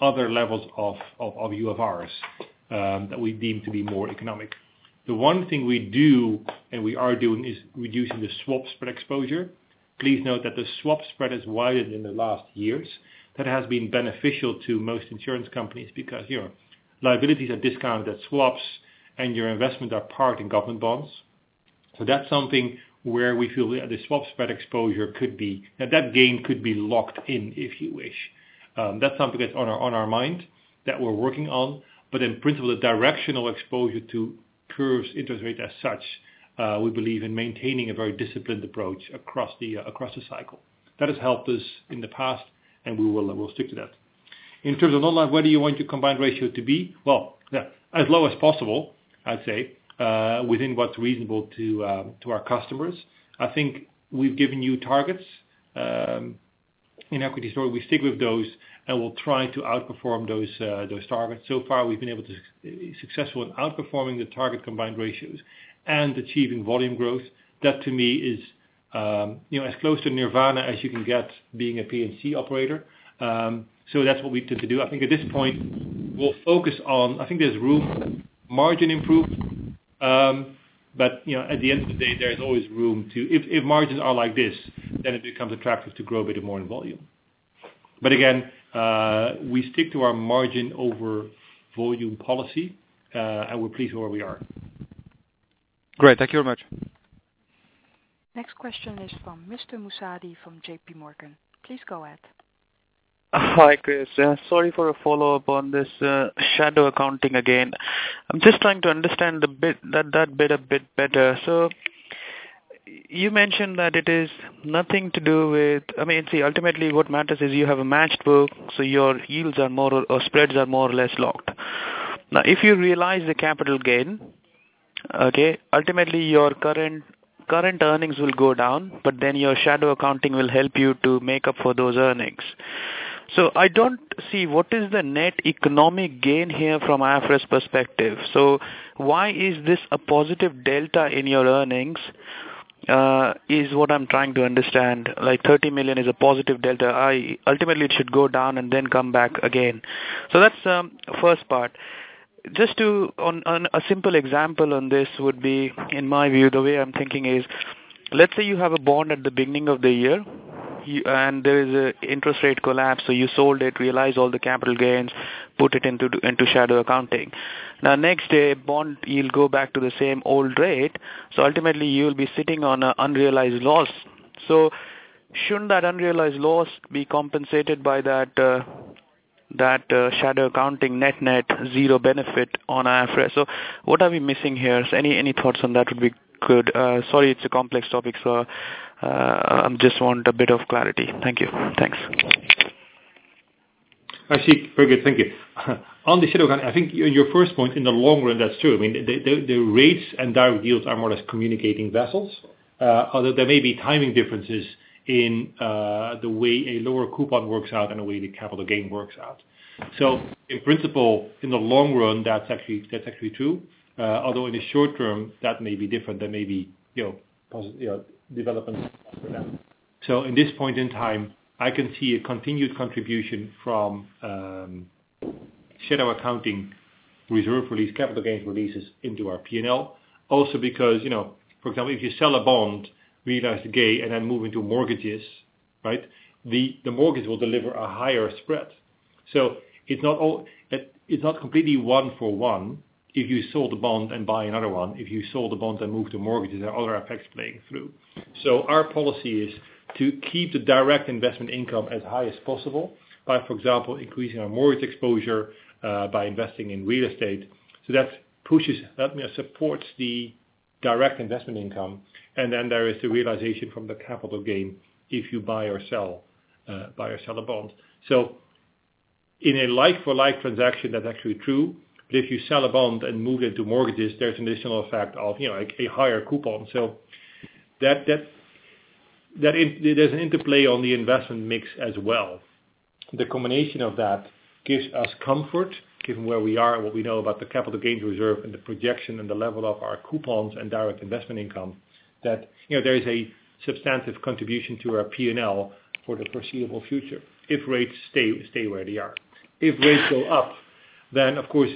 other levels of UFRs that we deem to be more economic. The one thing we do and we are doing is reducing the swap spread exposure. Please note that the swap spread has widened in the last years. That has been beneficial to most insurance companies because liabilities are discounted at swaps and your investment are parked in government bonds. That's something where we feel the swap spread exposure could be, now that gain could be locked in, if you wish. That's something that's on our mind that we're working on. In principle, a directional exposure to curves interest rate as such, we believe in maintaining a very disciplined approach across the cycle. That has helped us in the past, and we will stick to that. In terms of non-life, where do you want your combined ratio to be? Well, as low as possible, I'd say, within what's reasonable to our customers. I think we've given you targets. In Equity Story, we stick with those, and we'll try to outperform those targets. Far, we've been able to successful in outperforming the target combined ratios and achieving volume growth. That to me is as close to nirvana as you can get being a P&C operator. That's what we tend to do. I think at this point we'll focus on, I think there's room margin improvement, at the end of the day, there's always room to. If margins are like this, it becomes attractive to grow a bit more in volume. Again, we stick to our margin over volume policy, and we're pleased where we are. Great. Thank you very much. Next question is from Mr. Musaddi from J.P. Morgan. Please go ahead. Hi, Chris. Sorry for a follow-up on this shadow accounting again. I'm just trying to understand that bit a bit better. You mentioned that it is nothing to do with. Ultimately what matters is you have a matched book, your yields are more or spreads are more or less locked. If you realize the capital gain, okay, ultimately your current earnings will go down, your shadow accounting will help you to make up for those earnings. I don't see what is the net economic gain here from IFRS's perspective. Why is this a positive delta in your earnings is what I'm trying to understand. Like 30 million is a positive delta. Ultimately, it should go down, come back again. That's first part. On a simple example on this would be in my view, the way I'm thinking is, let's say you have a bond at the beginning of the year and there is an interest rate collapse, you sold it, realize all the capital gains, put it into shadow accounting. Next day bond yield go back to the same old rate, ultimately you'll be sitting on unrealized loss. Shouldn't that unrealized loss be compensated by that shadow accounting net-net zero benefit on IFRS? What are we missing here? Any thoughts on that would be good. Sorry, it's a complex topic, I just want a bit of clarity. Thank you. Thanks. I see. Very good. Thank you. On the shadow accounting, I think your first point in the long run, that's true. The rates and direct yields are more or less communicating vessels. Although there may be timing differences in the way a lower coupon works out and the way the capital gain works out. In principle, in the long run, that's actually true. Although in the short term that may be different. There may be developments. At this point in time, I can see a continued contribution from shadow accounting reserve release, capital gains releases into our P&L. Also because, for example, if you sell a bond, realize the gain, move into mortgages, right? The mortgage will deliver a higher spread. It's not completely one for one, if you sold a bond and buy another one. If you sold a bond and moved to mortgages, there are other effects playing through. Our policy is to keep the direct investment income as high as possible by, for example, increasing our mortgage exposure, by investing in real estate. That supports the direct investment income. There is the realization from the capital gain if you buy or sell a bond. In a like for like transaction, that's actually true. If you sell a bond and move into mortgages, there's an additional effect of a higher coupon. There's an interplay on the investment mix as well. The combination of that gives us comfort, given where we are and what we know about the capital gains reserve and the projection and the level of our coupons and direct investment income, that there is a substantive contribution to our P&L for the foreseeable future if rates stay where they are. If rates go up, then of course,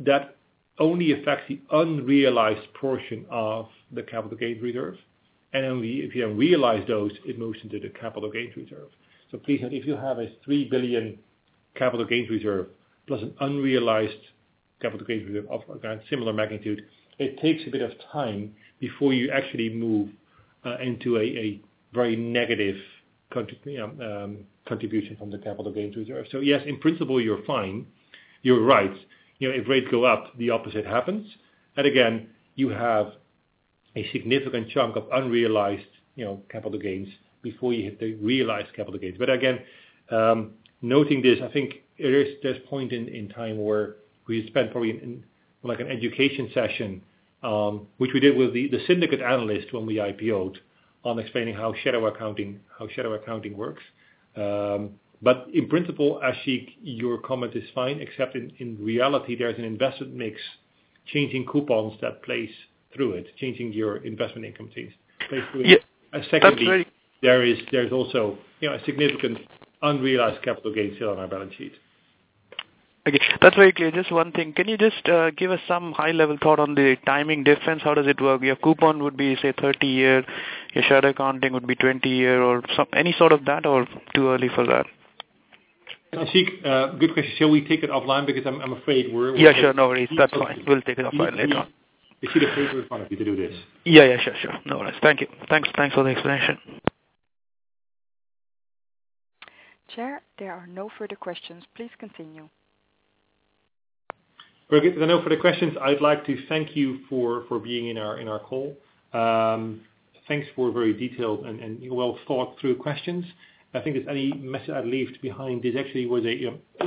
that only affects the unrealized portion of the capital gains reserve. Only if you realize those, it moves into the capital gains reserve. Please note, if you have a 3 billion capital gains reserve plus an unrealized capital gains reserve of a similar magnitude, it takes a bit of time before you actually move into a very negative contribution from the capital gains reserve. Yes, in principle you're fine. You're right. If rates go up, the opposite happens. Again, you have a significant chunk of unrealized capital gains before you hit the realized capital gains. Again, noting this, I think there's point in time where we spent probably like an education session, which we did with the syndicate analyst when we IPO'd on explaining how shadow accounting works. In principle, Ashik, your comment is fine, except in reality, there is an investment mix changing coupons that plays through it, changing your investment income plays through it. Yes. That's very- Secondly, there is also a significant unrealized capital gains still on our balance sheet. Okay. That's very clear. Just one thing. Can you just give us some high-level thought on the timing difference? How does it work? Your coupon would be, say, 30 year, your shadow accounting would be 20 year or any sort of that, or too early for that? Ashik, good question. Shall we take it offline? Yeah, sure. No worries. That's fine. We'll take it offline later on. You see the paper in front of you to do this. Yeah. Sure. No worries. Thank you. Thanks for the explanation. Chair, there are no further questions. Please continue. Very good. There are no further questions. I'd like to thank you for being in our call. Thanks for very detailed and well-thought through questions. I think if there's any message I'd leave behind is actually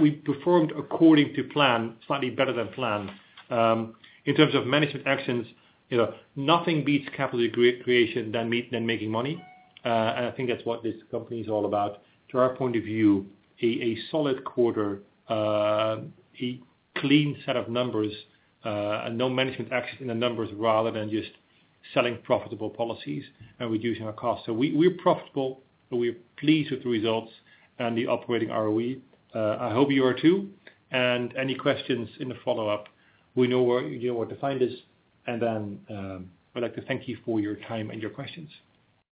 we performed according to plan, slightly better than planned. In terms of management actions, nothing beats capital creation than making money. I think that's what this company is all about. To our point of view, a solid quarter, a clean set of numbers, no management actions in the numbers rather than just selling profitable policies and reducing our costs. We're profitable, and we're pleased with the results and the operating ROE. I hope you are too, any questions in the follow-up, you know where to find us, then, I'd like to thank you for your time and your questions.